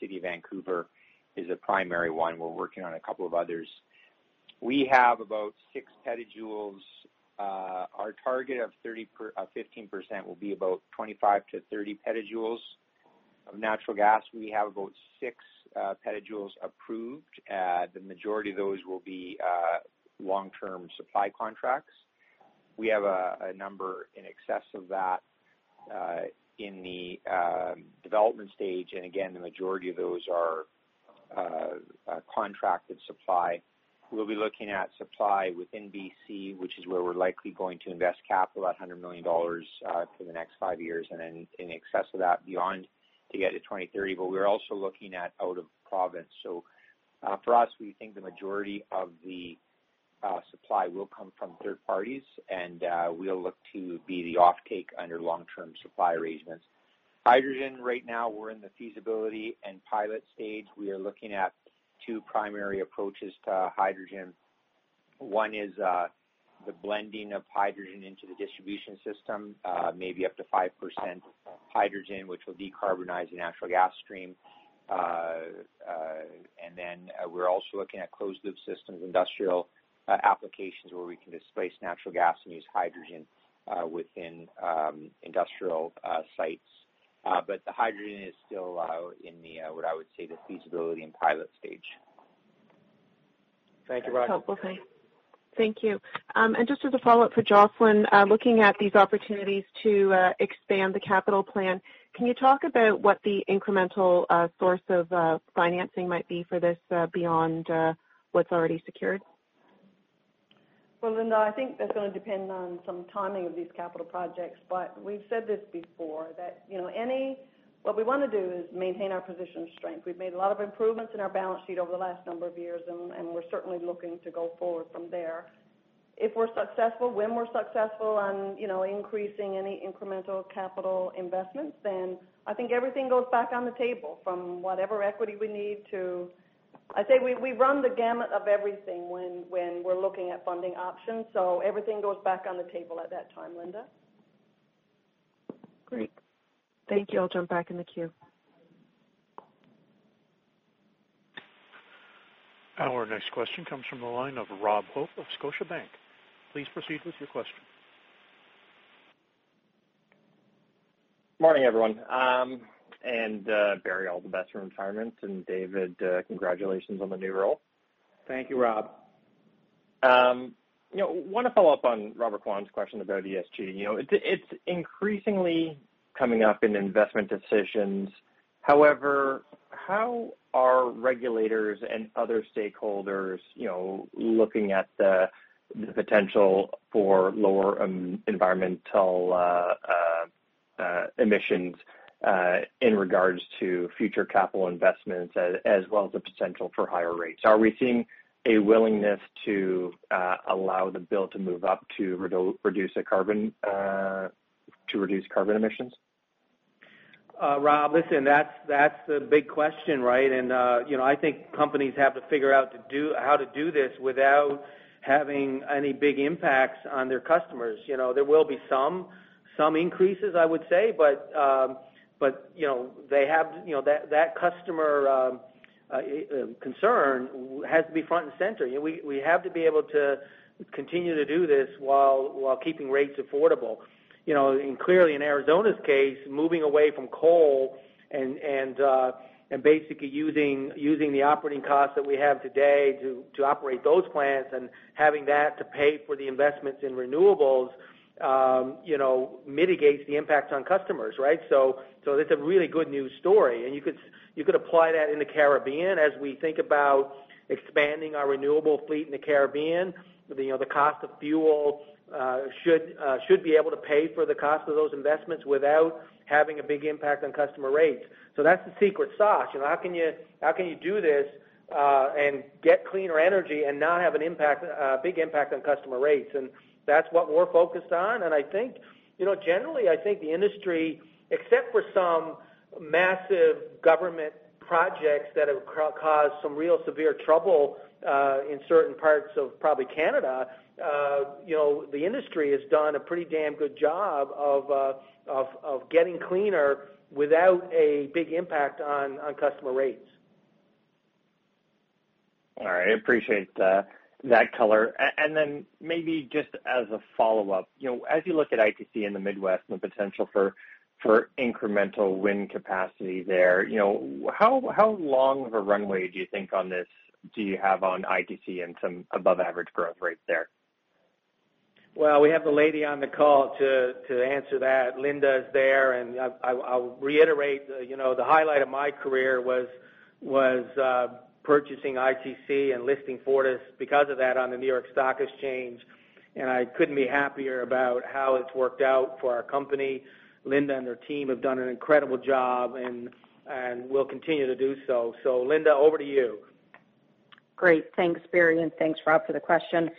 City of Vancouver is a primary one. We're working on a couple of others. We have about 6 PJ. Our target of 15% will be about 25 PJ-30 PJ of natural gas. We have about 6 PJ approved. The majority of those will be long-term supply contracts. We have a number in excess of that in the development stage. Again, the majority of those are contracted supply. We'll be looking at supply within BC, which is where we're likely going to invest capital, that 100 million dollars, for the next five years, and then in excess of that beyond to get to 2030. We're also looking at out of province. For us, we think the majority of Our supply will come from third parties, and we'll look to be the offtake under long-term supply arrangements. Hydrogen, right now, we're in the feasibility and pilot stage. We are looking at two primary approaches to hydrogen. One is the blending of hydrogen into the distribution system, maybe up to 5% hydrogen, which will decarbonize the natural gas stream. Then we're also looking at closed-loop systems, industrial applications where we can displace natural gas and use hydrogen within industrial sites. The hydrogen is still in the, what I would say, the feasibility and pilot stage. Thank you, Roger. That's helpful. Thanks. Thank you. Just as a follow-up for Jocelyn, looking at these opportunities to expand the capital plan, can you talk about what the incremental source of financing might be for this beyond what's already secured? Well, Linda, I think that's going to depend on some timing of these capital projects. We've said this before, that what we want to do is maintain our position of strength. We've made a lot of improvements in our balance sheet over the last number of years, and we're certainly looking to go forward from there. If we're successful, when we're successful on increasing any incremental capital investments, then I think everything goes back on the table from whatever equity we need to I say we run the gamut of everything when we're looking at funding options. Everything goes back on the table at that time, Linda. Great. Thank you. I'll jump back in the queue. Our next question comes from the line of Rob Hope of Scotiabank. Please proceed with your question. Morning, everyone. Barry, all the best for retirement, and David, congratulations on the new role. Thank you, Rob. I want to follow up on Robert Kwan's question about ESG. It's increasingly coming up in investment decisions. How are regulators and other stakeholders looking at the potential for lower environmental emissions in regards to future capital investments as well as the potential for higher rates? Are we seeing a willingness to allow the bill to move up to reduce carbon emissions? Rob, listen, that's the big question, right? I think companies have to figure out how to do this without having any big impacts on their customers. There will be some increases, I would say, but that customer concern has to be front and center. We have to be able to continue to do this while keeping rates affordable. Clearly, in Arizona's case, moving away from coal and basically using the operating costs that we have today to operate those plants and having that to pay for the investments in renewables mitigates the impact on customers, right? That's a really good news story. You could apply that in the Caribbean. As we think about expanding our renewable fleet in the Caribbean, the cost of fuel should be able to pay for the cost of those investments without having a big impact on customer rates. That's the secret sauce. How can you do this and get cleaner energy and not have a big impact on customer rates? That's what we're focused on. Generally, I think the industry, except for some massive government projects that have caused some real severe trouble in certain parts of probably Canada, the industry has done a pretty damn good job of getting cleaner without a big impact on customer rates. All right. I appreciate that color. Maybe just as a follow-up, as you look at ITC in the Midwest and the potential for incremental wind capacity there, how long of a runway do you think on this do you have on ITC and some above-average growth rates there? Well, we have the lady on the call to answer that. Linda is there. I'll reiterate, the highlight of my career was purchasing ITC and listing Fortis because of that on the New York Stock Exchange. I couldn't be happier about how it's worked out for our company. Linda and her team have done an incredible job and will continue to do so. Linda, over to you. Great. Thanks, Barry, and thanks, Rob, for the question.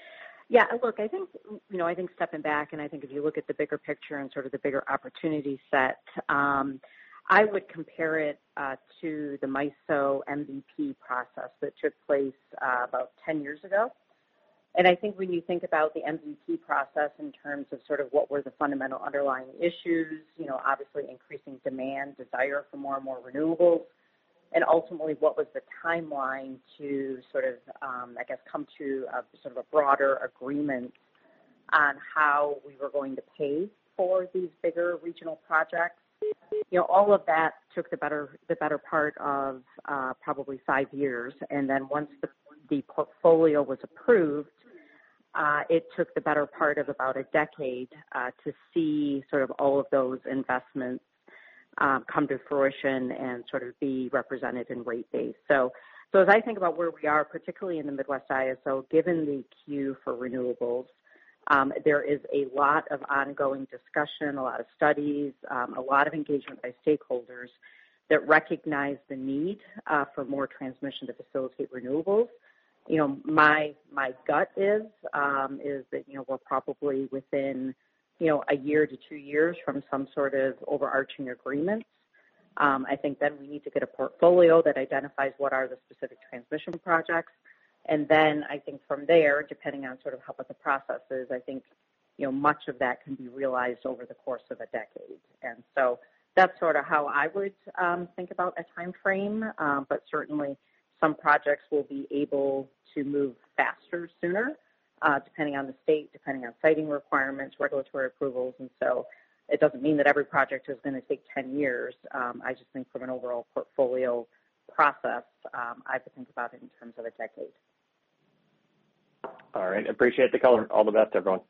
Yeah, look, I think stepping back and I think if you look at the bigger picture and sort of the bigger opportunity set, I would compare it to the MISO MVP process that took place about 10 years ago. I think when you think about the MVP process in terms of sort of what were the fundamental underlying issues, obviously increasing demand, desire for more and more renewables, and ultimately, what was the timeline to, I guess, come to a sort of a broader agreement on how we were going to pay for these bigger regional projects. All of that took the better part of probably five years, then once the portfolio was approved, it took the better part of about a decade to see sort of all of those investments come to fruition and sort of be represented in rate base. As I think about where we are, particularly in the Midwest ISO, given the queue for renewables, there is a lot of ongoing discussion, a lot of studies, a lot of engagement by stakeholders that recognize the need for more transmission to facilitate renewables. My gut is that we're probably within one year to two years from some sort of overarching agreements. I think we need to get a portfolio that identifies what are the specific transmission projects. I think from there, depending on sort of how the process is, I think much of that can be realized over the course of a decade. That's sort of how I would think about a timeframe. Certainly, some projects will be able to move faster sooner, depending on the state, depending on siting requirements, regulatory approvals, and so it doesn't mean that every project is going to take 10 years. I just think from an overall portfolio process, I would think about it in terms of a decade. All right. Appreciate the color. All the best, everyone.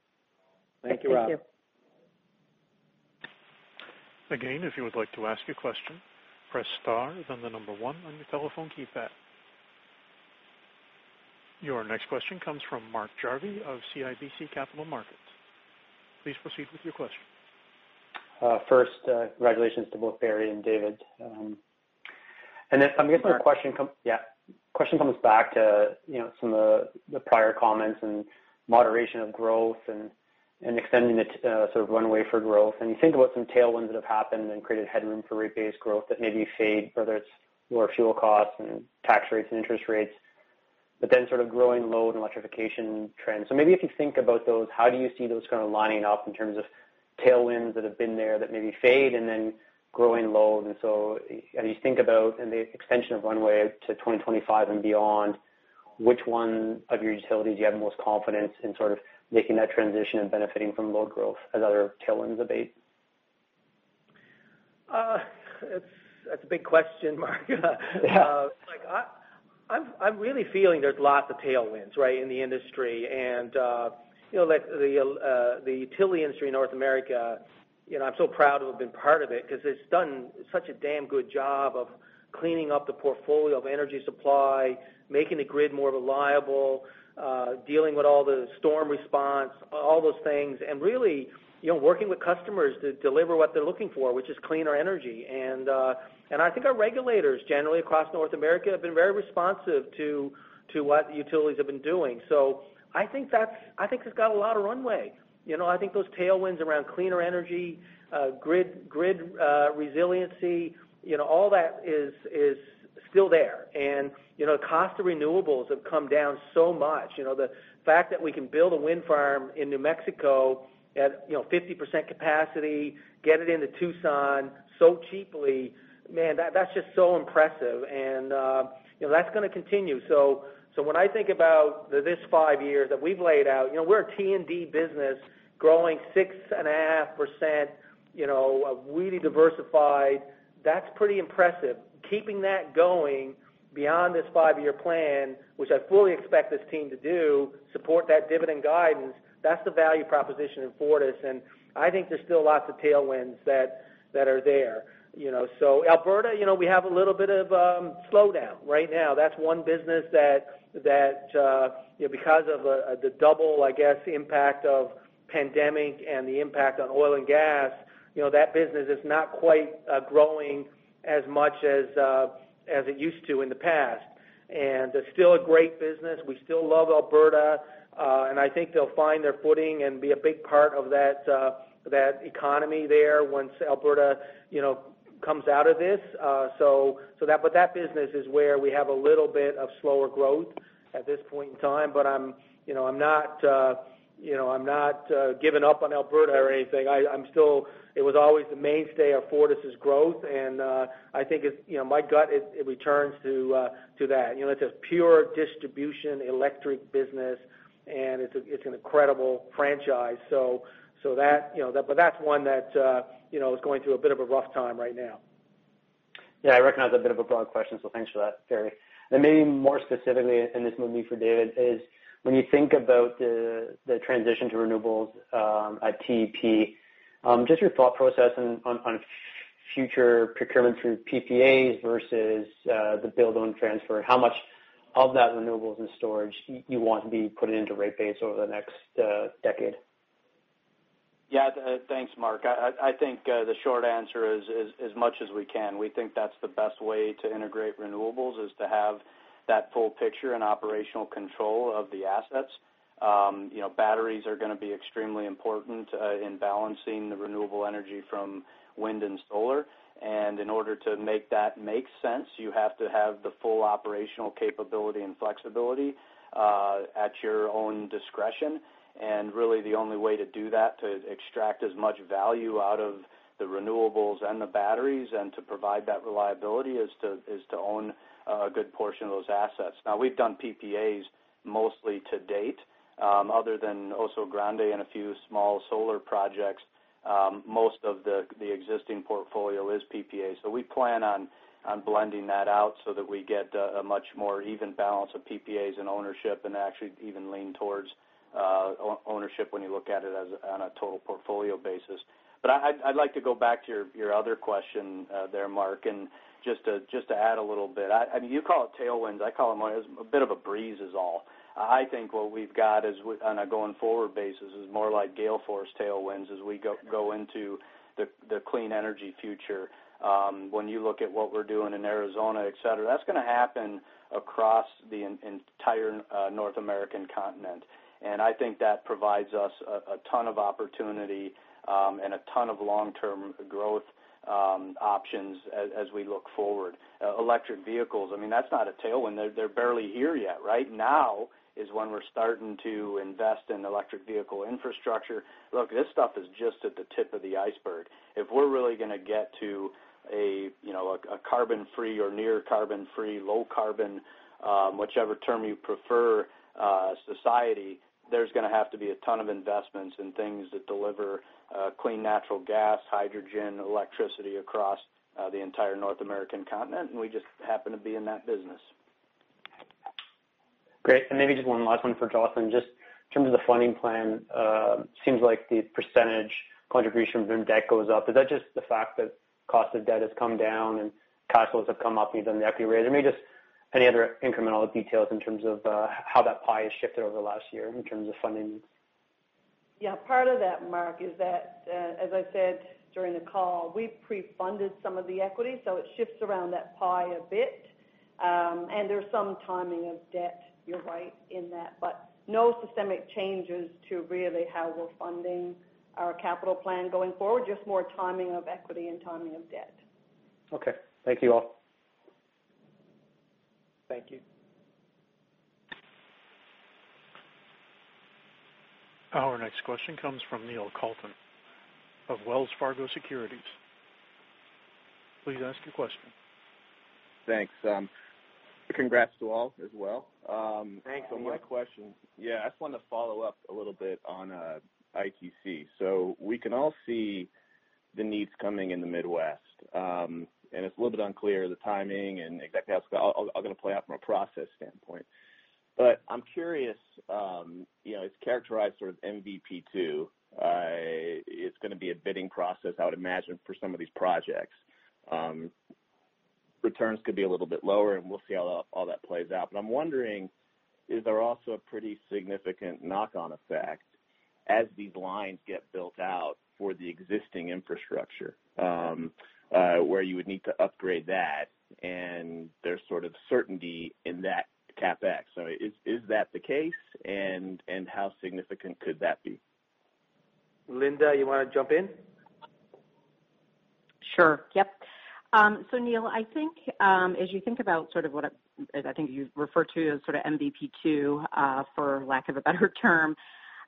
Thank you, Rob. Thank you. Again, if you would like to ask a question, press star then the number one on your telephone keypad. Your next question comes from Mark Jarvi of CIBC Capital Markets. Please proceed with your question. First, congratulations to both Barry and David. Then I guess my question comes back to some of the prior comments and moderation of growth and extending the sort of runway for growth. You think about some tailwinds that have happened and created headroom for rate base growth that maybe fade, whether it's lower fuel costs and tax rates and interest rates, but then sort of growing load and electrification trends. Maybe if you think about those, how do you see those kind of lining up in terms of tailwinds that have been there that maybe fade and then growing load? So as you think about the extension of runway to 2025 and beyond, which one of your utilities do you have most confidence in sort of making that transition and benefiting from load growth as other tailwinds abate? That's a big question, Mark. Yeah. I'm really feeling there's lots of tailwinds, right, in the industry. The utility industry in North America, I'm so proud to have been part of it because it's done such a damn good job of cleaning up the portfolio of energy supply, making the grid more reliable, dealing with all the storm response, all those things. Really, working with customers to deliver what they're looking for, which is cleaner energy. I think our regulators, generally across North America, have been very responsive to what the utilities have been doing. I think it's got a lot of runway. I think those tailwinds around cleaner energy, grid resiliency, all that is still there. The cost of renewables have come down so much. The fact that we can build a wind farm in New Mexico at 50% capacity, get it into Tucson so cheaply, man, that's just so impressive. That's going to continue. When I think about this five years that we've laid out, we're a T&D business growing 6.5%, really diversified. That's pretty impressive. Keeping that going beyond this five-year plan, which I fully expect this team to do, support that dividend guidance, that's the value proposition in Fortis, and I think there's still lots of tailwinds that are there. Alberta, we have a little bit of a slowdown right now. That's one business that because of the double, I guess, impact of pandemic and the impact on oil and gas, that business is not quite growing as much as it used to in the past. It's still a great business. We still love Alberta. I think they'll find their footing and be a big part of that economy there once Alberta comes out of this. That business is where we have a little bit of slower growth at this point in time. I'm not giving up on Alberta or anything. It was always the mainstay of Fortis' growth, and I think, my gut, it returns to that. It's a pure distribution electric business, and it's an incredible franchise. That's one that is going through a bit of a rough time right now. Yeah, I recognize a bit of a broad question, so thanks for that, Barry. Maybe more specifically, and this may be for David, is when you think about the transition to renewables at TEP, just your thought process on future procurement through PPAs versus the build-own-transfer. How much of that renewables and storage you want to be putting into rate base over the next decade? Yeah. Thanks, Mark. I think the short answer is as much as we can. We think that's the best way to integrate renewables is to have that full picture and operational control of the assets. Batteries are going to be extremely important in balancing the renewable energy from wind and solar. In order to make that make sense, you have to have the full operational capability and flexibility at your own discretion. Really, the only way to do that, to extract as much value out of the renewables and the batteries and to provide that reliability, is to own a good portion of those assets. Now, we've done PPAs mostly to date. Other than Oso Grande and a few small solar projects, most of the existing portfolio is PPAs. We plan on blending that out so that we get a much more even balance of PPAs and ownership, and actually even lean towards ownership when you look at it on a total portfolio basis. I'd like to go back to your other question there, Mark, and just to add a little bit. You call it tailwinds, I call them a bit of a breeze is all. I think what we've got on a going forward basis is more like gale force tailwinds as we go into the clean energy future. When you look at what we're doing in Arizona, et cetera, that's going to happen across the entire North American continent. I think that provides us a ton of opportunity and a ton of long-term growth options as we look forward. Electric vehicles, I mean, that's not a tailwind. They're barely here yet. Right now is when we're starting to invest in electric vehicle infrastructure. Look, this stuff is just at the tip of the iceberg. If we're really going to get to a carbon-free or near carbon-free, low carbon, whichever term you prefer, society, there's going to have to be a ton of investments in things that deliver clean natural gas, hydrogen, electricity across the entire North American continent. We just happen to be in that business. Great. Maybe just one last one for Jocelyn. Just in terms of the funding plan, seems like the percentage contribution from debt goes up. Is that just the fact that cost of debt has come down and costs have come up even the equity rate? Maybe just any other incremental details in terms of how that pie has shifted over the last year in terms of funding? Yeah. Part of that, Mark, is that, as I said during the call, we pre-funded some of the equity. It shifts around that pie a bit. There's some timing of debt, you're right in that, but no systemic changes to really how we're funding our capital plan going forward, just more timing of equity and timing of debt. Okay. Thank you all. Thank you. Our next question comes from Neil Kalton of Wells Fargo Securities. Please ask your question. Thanks. Congrats to all as well. Thanks. My question. Yeah. I just wanted to follow up a little bit on ITC. We can all see the needs coming in the Midwest. It's a little bit unclear, the timing and exactly how it's all going to play out from a process standpoint. I'm curious, it's characterized sort of MVP2, it's going to be a bidding process, I would imagine, for some of these projects. Returns could be a little bit lower, and we'll see how all that plays out. I'm wondering, is there also a pretty significant knock-on effect as these lines get built out for the existing infrastructure? Where you would need to upgrade that, and there's sort of certainty in that CapEx. Is that the case? How significant could that be? Linda, you want to jump in? Sure. Yep. Neil, I think, as you think about sort of what I think you refer to as sort of MVP2, for lack of a better term.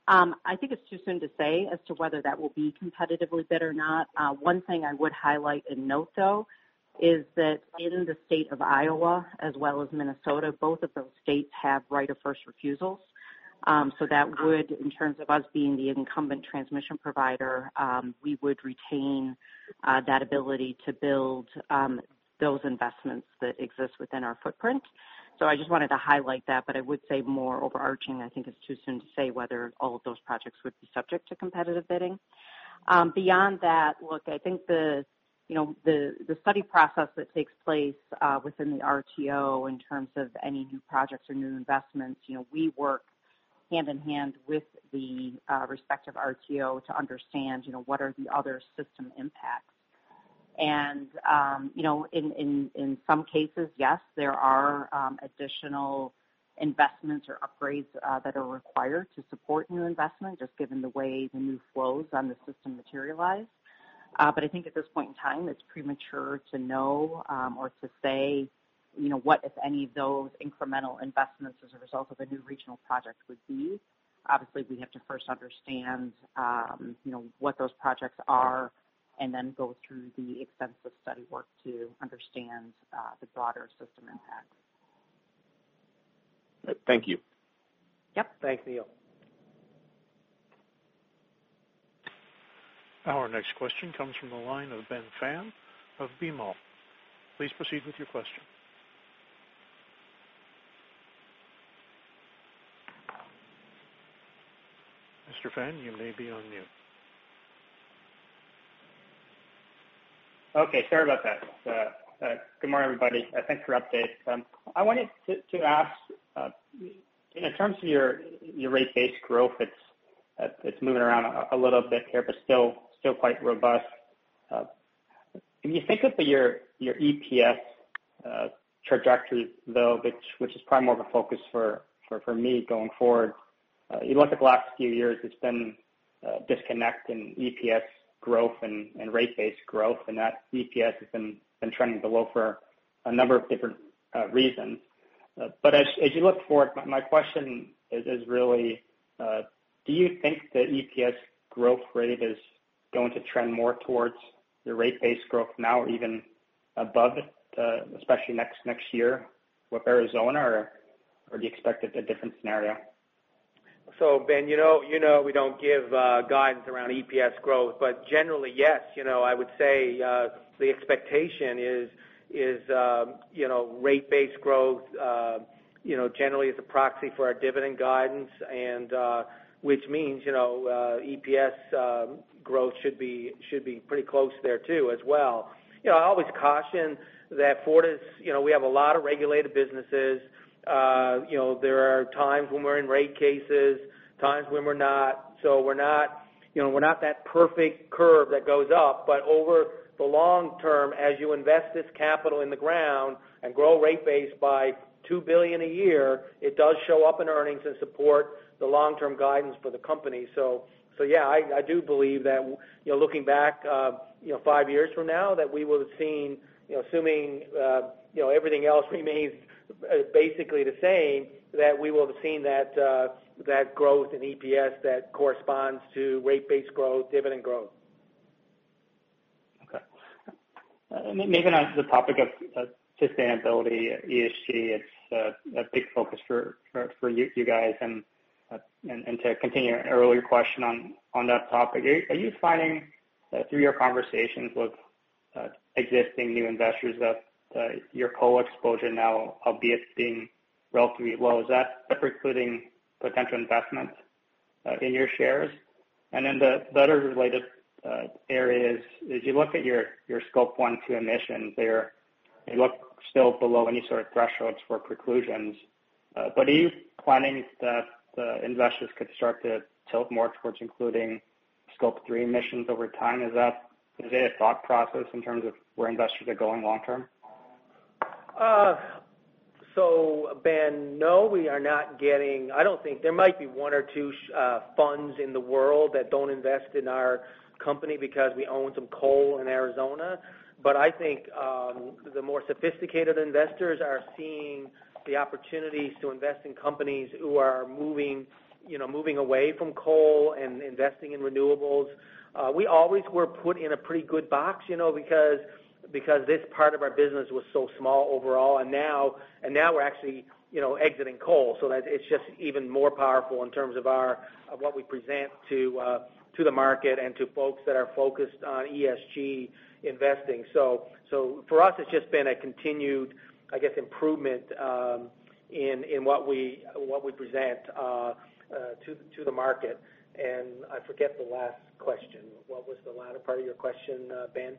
I think it's too soon to say as to whether that will be competitively bid or not. One thing I would highlight and note, though, is that in the state of Iowa as well as Minnesota, both of those states have right of first refusal. That would, in terms of us being the incumbent transmission provider, we would retain that ability to build those investments that exist within our footprint. I just wanted to highlight that. I would say more overarching, I think it's too soon to say whether all of those projects would be subject to competitive bidding. Beyond that, look, I think the study process that takes place within the RTO in terms of any new projects or new investments, we work hand-in-hand with the respective RTO to understand what are the other system impacts. In some cases, yes, there are additional investments or upgrades that are required to support new investment, just given the way the new flows on the system materialize. I think at this point in time, it's premature to know or to say what, if any, of those incremental investments as a result of a new regional project would be. Obviously, we have to first understand what those projects are and then go through the extensive study work to understand the broader system impacts. Thank you. Yep. Thanks, Neil. Our next question comes from the line of Ben Pham of BMO. Please proceed with your question. Mr. Pham, you may be on mute. Okay. Sorry about that. Good morning, everybody. Thanks for update. I wanted to ask, in terms of your rate base growth, it's moving around a little bit here, but still quite robust. When you think of your EPS trajectory, though, which is probably more of a focus for me going forward. You look at the last few years, it's been a disconnect in EPS growth and rate base growth, and that EPS has been trending below for a number of different reasons. As you look forward, my question is really, do you think the EPS growth rate is going to trend more towards the rate base growth now or even above it, especially next year with Arizona, or do you expect a different scenario? Ben, you know we don't give guidance around EPS growth, but generally, yes, I would say the expectation is rate-based growth, generally as a proxy for our dividend guidance. Means, EPS growth should be pretty close there too as well. I always caution that Fortis, we have a lot of regulated businesses. There are times when we're in rate cases, times when we're not. We're not that perfect curve that goes up, but over the long term, as you invest this capital in the ground and grow rate base by 2 billion a year, it does show up in earnings and support the long-term guidance for the company. Yeah, I do believe that, looking back, five years from now, that we will have seen, assuming everything else remains basically the same, that we will have seen that growth in EPS that corresponds to rate base growth, dividend growth. Okay. Maybe on to the topic of sustainability, ESG, it is a big focus for you guys and to continue an earlier question on that topic, are you finding that through your conversations with existing new investors that your coal exposure now, albeit being relatively low, is that precluding potential investments in your shares? The better-related area is, as you look at your Scope 1, 2 emissions, they look still below any sort of thresholds for preclusions. Are you planning that the investors could start to tilt more towards including Scope 3 emissions over time? Is it a thought process in terms of where investors are going long term? Ben, no, we are not getting, I don't think. There might be one or two funds in the world that don't invest in our company because we own some coal in Arizona. I think the more sophisticated investors are seeing the opportunities to invest in companies who are moving away from coal and investing in renewables. We always were put in a pretty good box, because this part of our business was so small overall, and now we're actually exiting coal, so that it's just even more powerful in terms of what we present to the market and to folks that are focused on ESG investing. For us, it's just been a continued, I guess, improvement in what we present to the market. I forget the last question. What was the latter part of your question, Ben?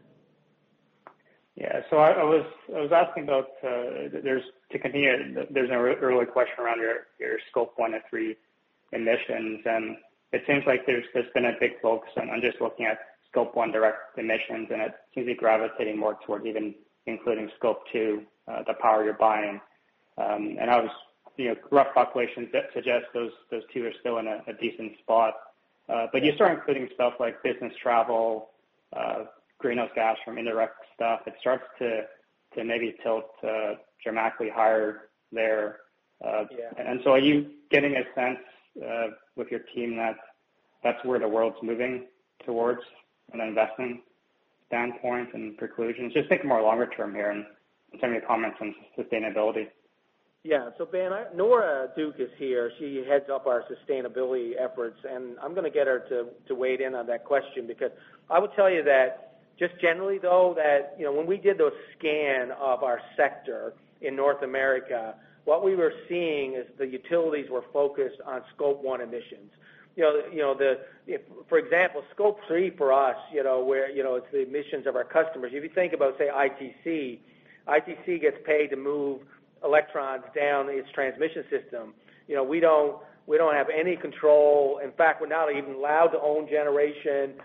I was asking about to continue, there's an earlier question around your Scope 1 and 3 emissions, and it seems like there's been a big focus on just looking at Scope 1 direct emissions, and it seems to be gravitating more towards even including Scope 2, the power you're buying. Rough calculations suggest those two are still in a decent spot. You start including stuff like business travel, greenhouse gas from indirect stuff, it starts to maybe tilt dramatically higher there. Yeah. Are you getting a sense with your team that that's where the world's moving towards from an investment standpoint and preclusion, just thinking more longer term here and some of your comments on sustainability? Yeah. Ben, Nora Duke is here. She heads up our sustainability efforts, and I'm going to get her to weigh in on that question because I would tell you that just generally, though, that when we did those scan of our sector in North America, what we were seeing is the utilities were focused on Scope 1 emissions. For example, Scope 3 for us, it's the emissions of our customers. If you think about, say, ITC. ITC gets paid to move electrons down its transmission system. We don't have any control. In fact, we're not even allowed to own generation.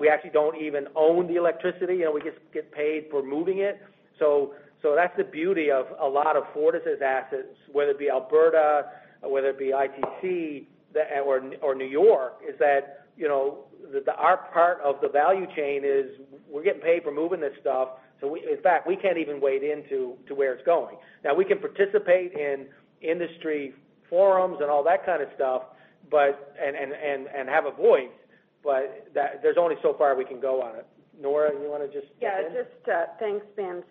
We actually don't even own the electricity. We just get paid for moving it. That's the beauty of a lot of Fortis' assets, whether it be Alberta, whether it be ITC or New York, is that our part of the value chain is we're getting paid for moving this stuff. In fact, we can't even wade into where it's going. We can participate in industry forums and all that kind of stuff and have a voice, but there's only so far we can go on it. Nora, you want to just weigh in? Yeah. Thanks, Ben.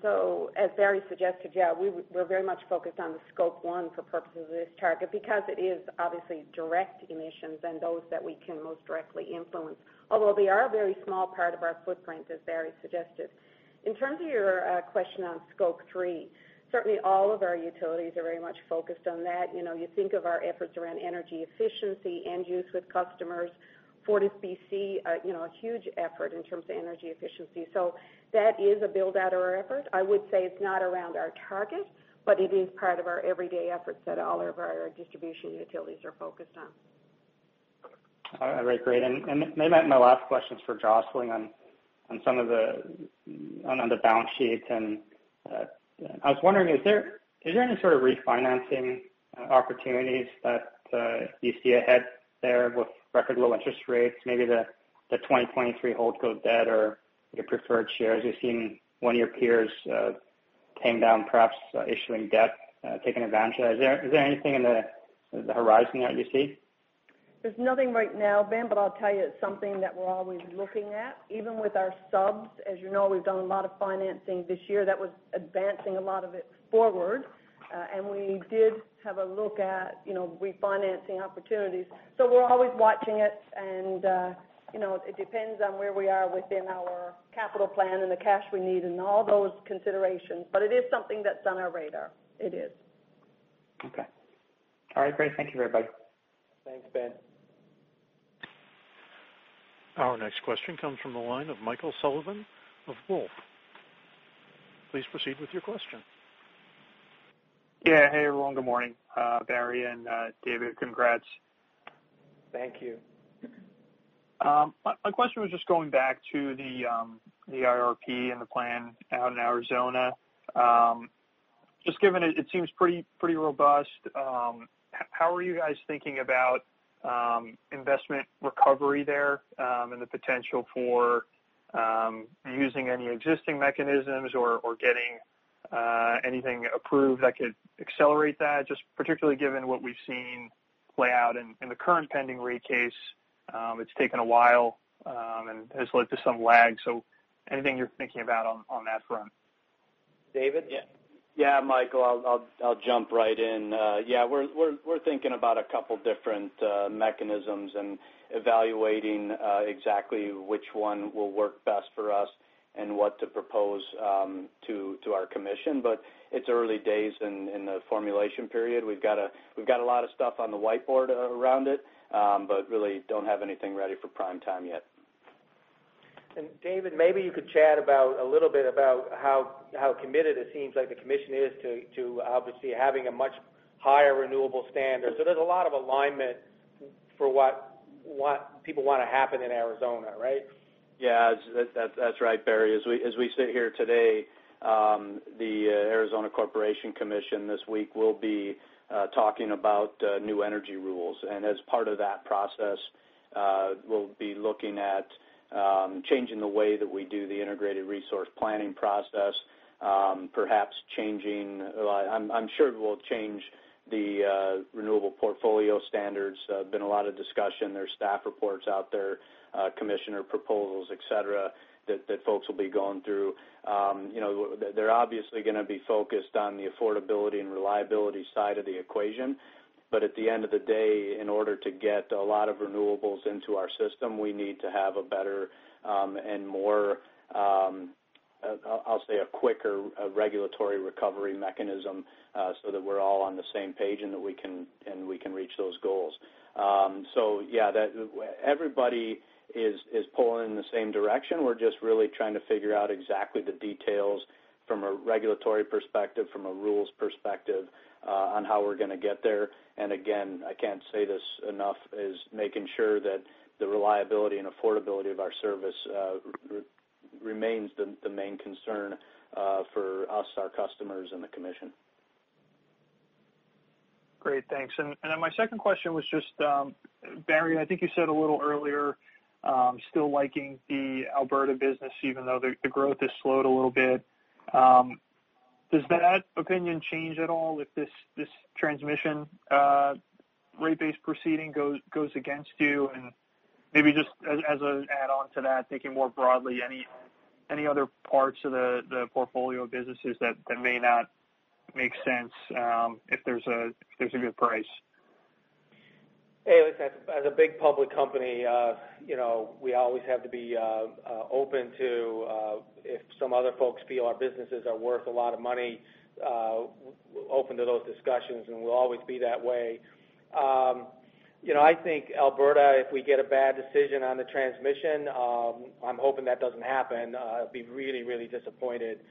As Barry suggested, yeah, we're very much focused on the Scope 1 for purposes of this target because it is obviously direct emissions and those that we can most directly influence. Although they are a very small part of our footprint, as Barry suggested. In terms of your question on Scope 3, certainly all of our utilities are very much focused on that. You think of our efforts around energy efficiency, end use with customers. FortisBC are a huge effort in terms of energy efficiency. That is a build-out of our effort. I would say it's not around our target, but it is part of our everyday efforts that all of our distribution utilities are focused on. All right, great. Maybe my last question is for Jocelyn on the balance sheet. I was wondering, is there any sort of refinancing opportunities that you see ahead there with record low interest rates? Maybe the 2023 holdco debt or your preferred shares. We've seen one of your peers tame down, perhaps issuing debt, taking advantage of that. Is there anything in the horizon that you see? There's nothing right now, Ben, but I'll tell you it's something that we're always looking at. Even with our subs. As you know, we've done a lot of financing this year that was advancing a lot of it forward. We did have a look at refinancing opportunities. We're always watching it, and it depends on where we are within our capital plan and the cash we need and all those considerations. It is something that's on our radar. It is. Okay. All right, great. Thank you, everybody. Thanks, Ben. Our next question comes from the line of Michael Sullivan of Wolfe. Please proceed with your question. Yeah. Hey, everyone. Good morning. Barry and David, congrats. Thank you. My question was just going back to the IRP and the plan out in Arizona. Given it seems pretty robust, how are you guys thinking about investment recovery there? The potential for using any existing mechanisms or getting anything approved that could accelerate that, just particularly given what we've seen play out in the current pending rate case. It's taken a while, and has led to some lag. Anything you're thinking about on that front? David? Yeah. Yeah, Michael, I'll jump right in. Yeah, we're thinking about a couple different mechanisms and evaluating exactly which one will work best for us and what to propose to our commission. It's early days in the formulation period. We've got a lot of stuff on the whiteboard around it, but really don't have anything ready for prime time yet. David, maybe you could chat a little bit about how committed it seems like the commission is to obviously having a much higher renewable standard. There's a lot of alignment for what people want to happen in Arizona, right? Yeah. That's right, Barry. As we sit here today, the Arizona Corporation Commission this week will be talking about new energy rules. As part of that process, we'll be looking at changing the way that we do the Integrated Resource Planning Process, I'm sure we'll change the Renewable Portfolio Standards. There's been a lot of discussion. There's staff reports out there, commissioner proposals, et cetera, that folks will be going through. They're obviously going to be focused on the affordability and reliability side of the equation. At the end of the day, in order to get a lot of renewables into our system, we need to have a better and more, I'll say, a quicker regulatory recovery mechanism, that we're all on the same page and that we can reach those goals. Yeah, everybody is pulling in the same direction. We're just really trying to figure out exactly the details from a regulatory perspective, from a rules perspective, on how we're going to get there. Again, I can't say this enough, is making sure that the reliability and affordability of our service remains the main concern for us, our customers, and the commission. Great. Thanks. Then my second question was just, Barry, I think you said a little earlier, still liking the Alberta business even though the growth has slowed a little bit. Does that opinion change at all if this transmission rate base proceeding goes against you? Maybe just as an add-on to that, thinking more broadly, any other parts of the portfolio of businesses that may not make sense if there's a good price? Hey, listen, as a big public company, we always have to be open to if some other folks feel our businesses are worth a lot of money, we're open to those discussions and we'll always be that way. I think Alberta, if we get a bad decision on the transmission, I'm hoping that doesn't happen. I'd be really disappointed.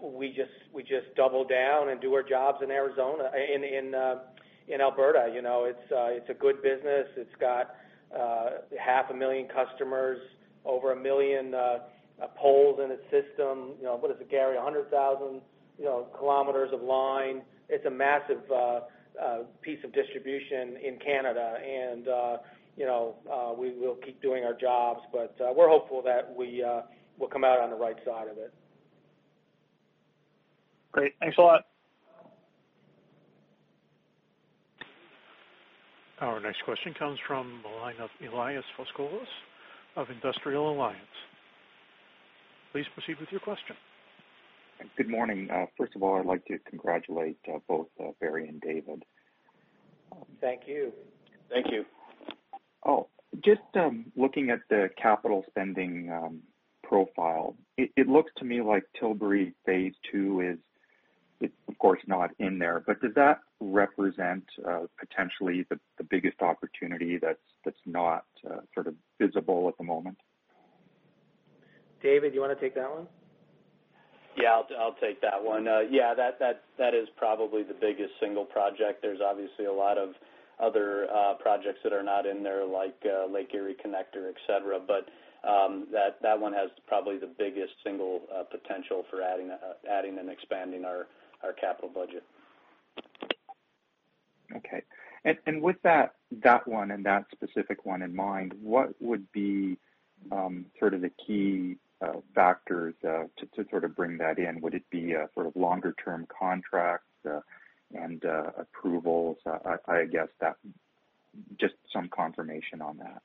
We just double down and do our jobs in Alberta. It's a good business. It's got half a million customers, over a million poles in its system. What is it, Gary? 100,000 km of line. It's a massive piece of distribution in Canada. We will keep doing our jobs, but we're hopeful that we'll come out on the right side of it. Great. Thanks a lot. Our next question comes from the line of Elias Foscolos of Industrial Alliance. Please proceed with your question. Good morning. First of all, I'd like to congratulate both Barry and David. Thank you. Thank you. Oh, just looking at the capital spending profile, it looks to me like Tilbury phase II is, of course, not in there. Does that represent potentially the biggest opportunity that's not sort of visible at the moment? David, you want to take that one? I'll take that one. That is probably the biggest single project. There's obviously a lot of other projects that are not in there, like Lake Erie Connector, et cetera. That one has probably the biggest single potential for adding and expanding our capital budget. Okay. With that one and that specific one in mind, what would be sort of the key factors to sort of bring that in? Would it be a sort of longer-term contract and approvals? I guess just some confirmation on that.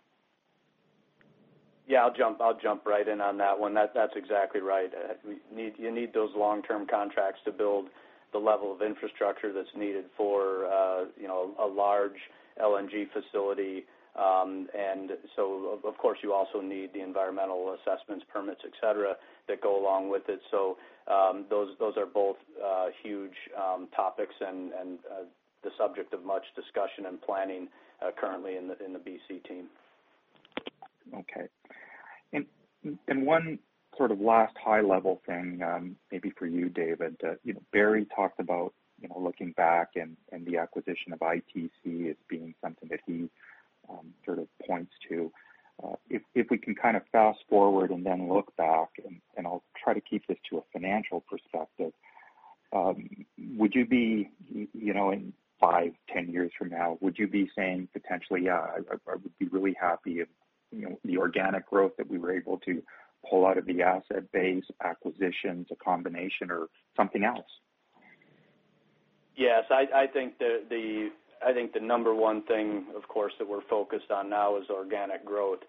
Yeah, I'll jump right in on that one. That's exactly right. You need those long-term contracts to build the level of infrastructure that's needed for a large LNG facility. Of course, you also need the environmental assessments, permits, et cetera, that go along with it. Those are both huge topics and the subject of much discussion and planning currently in the BC team. Okay. One sort of last high-level thing, maybe for you, David. Barry talked about looking back and the acquisition of ITC as being something that he sort of points to. If we can kind of fast-forward and then look back, and I'll try to keep this to a financial perspective, would you be, in five, 10 years from now, would you be saying potentially, "Yeah, I would be really happy if the organic growth that we were able to pull out of the asset base, acquisitions, a combination, or something else? Yes. I think the number one thing, of course, that we're focused on now is organic growth.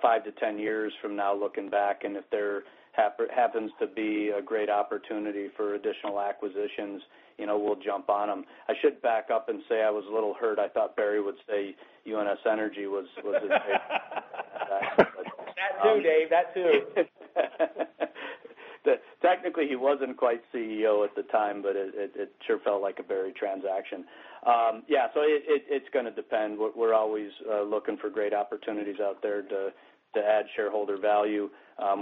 Five to 10 years from now, looking back, if there happens to be a great opportunity for additional acquisitions, we'll jump on them. I should back up and say I was a little hurt. I thought Barry would say UNS Energy was his favorite. That too, Dave. That too. Technically, he wasn't quite CEO at the time, but it sure felt like a Barry transaction. Yeah. It's going to depend. We're always looking for great opportunities out there to add shareholder value.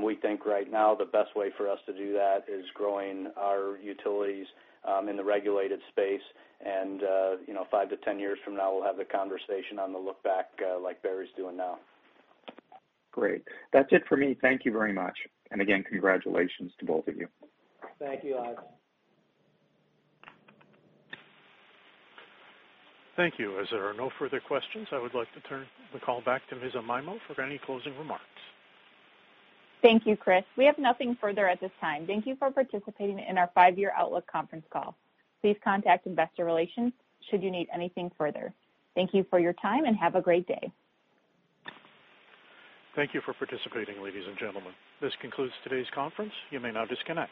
We think right now the best way for us to do that is growing our utilities in the regulated space. Five to 10 years from now, we'll have the conversation on the look back like Barry's doing now. Great. That's it for me. Thank you very much. Again, congratulations to both of you. Thank you, Elias. Thank you. As there are no further questions, I would like to turn the call back to Stephanie Amaimo for any closing remarks. Thank you, Chris. We have nothing further at this time. Thank you for participating in our five-year outlook conference call. Please contact investor relations should you need anything further. Thank you for your time, and have a great day. Thank you for participating, ladies and gentlemen. This concludes today's conference. You may now disconnect.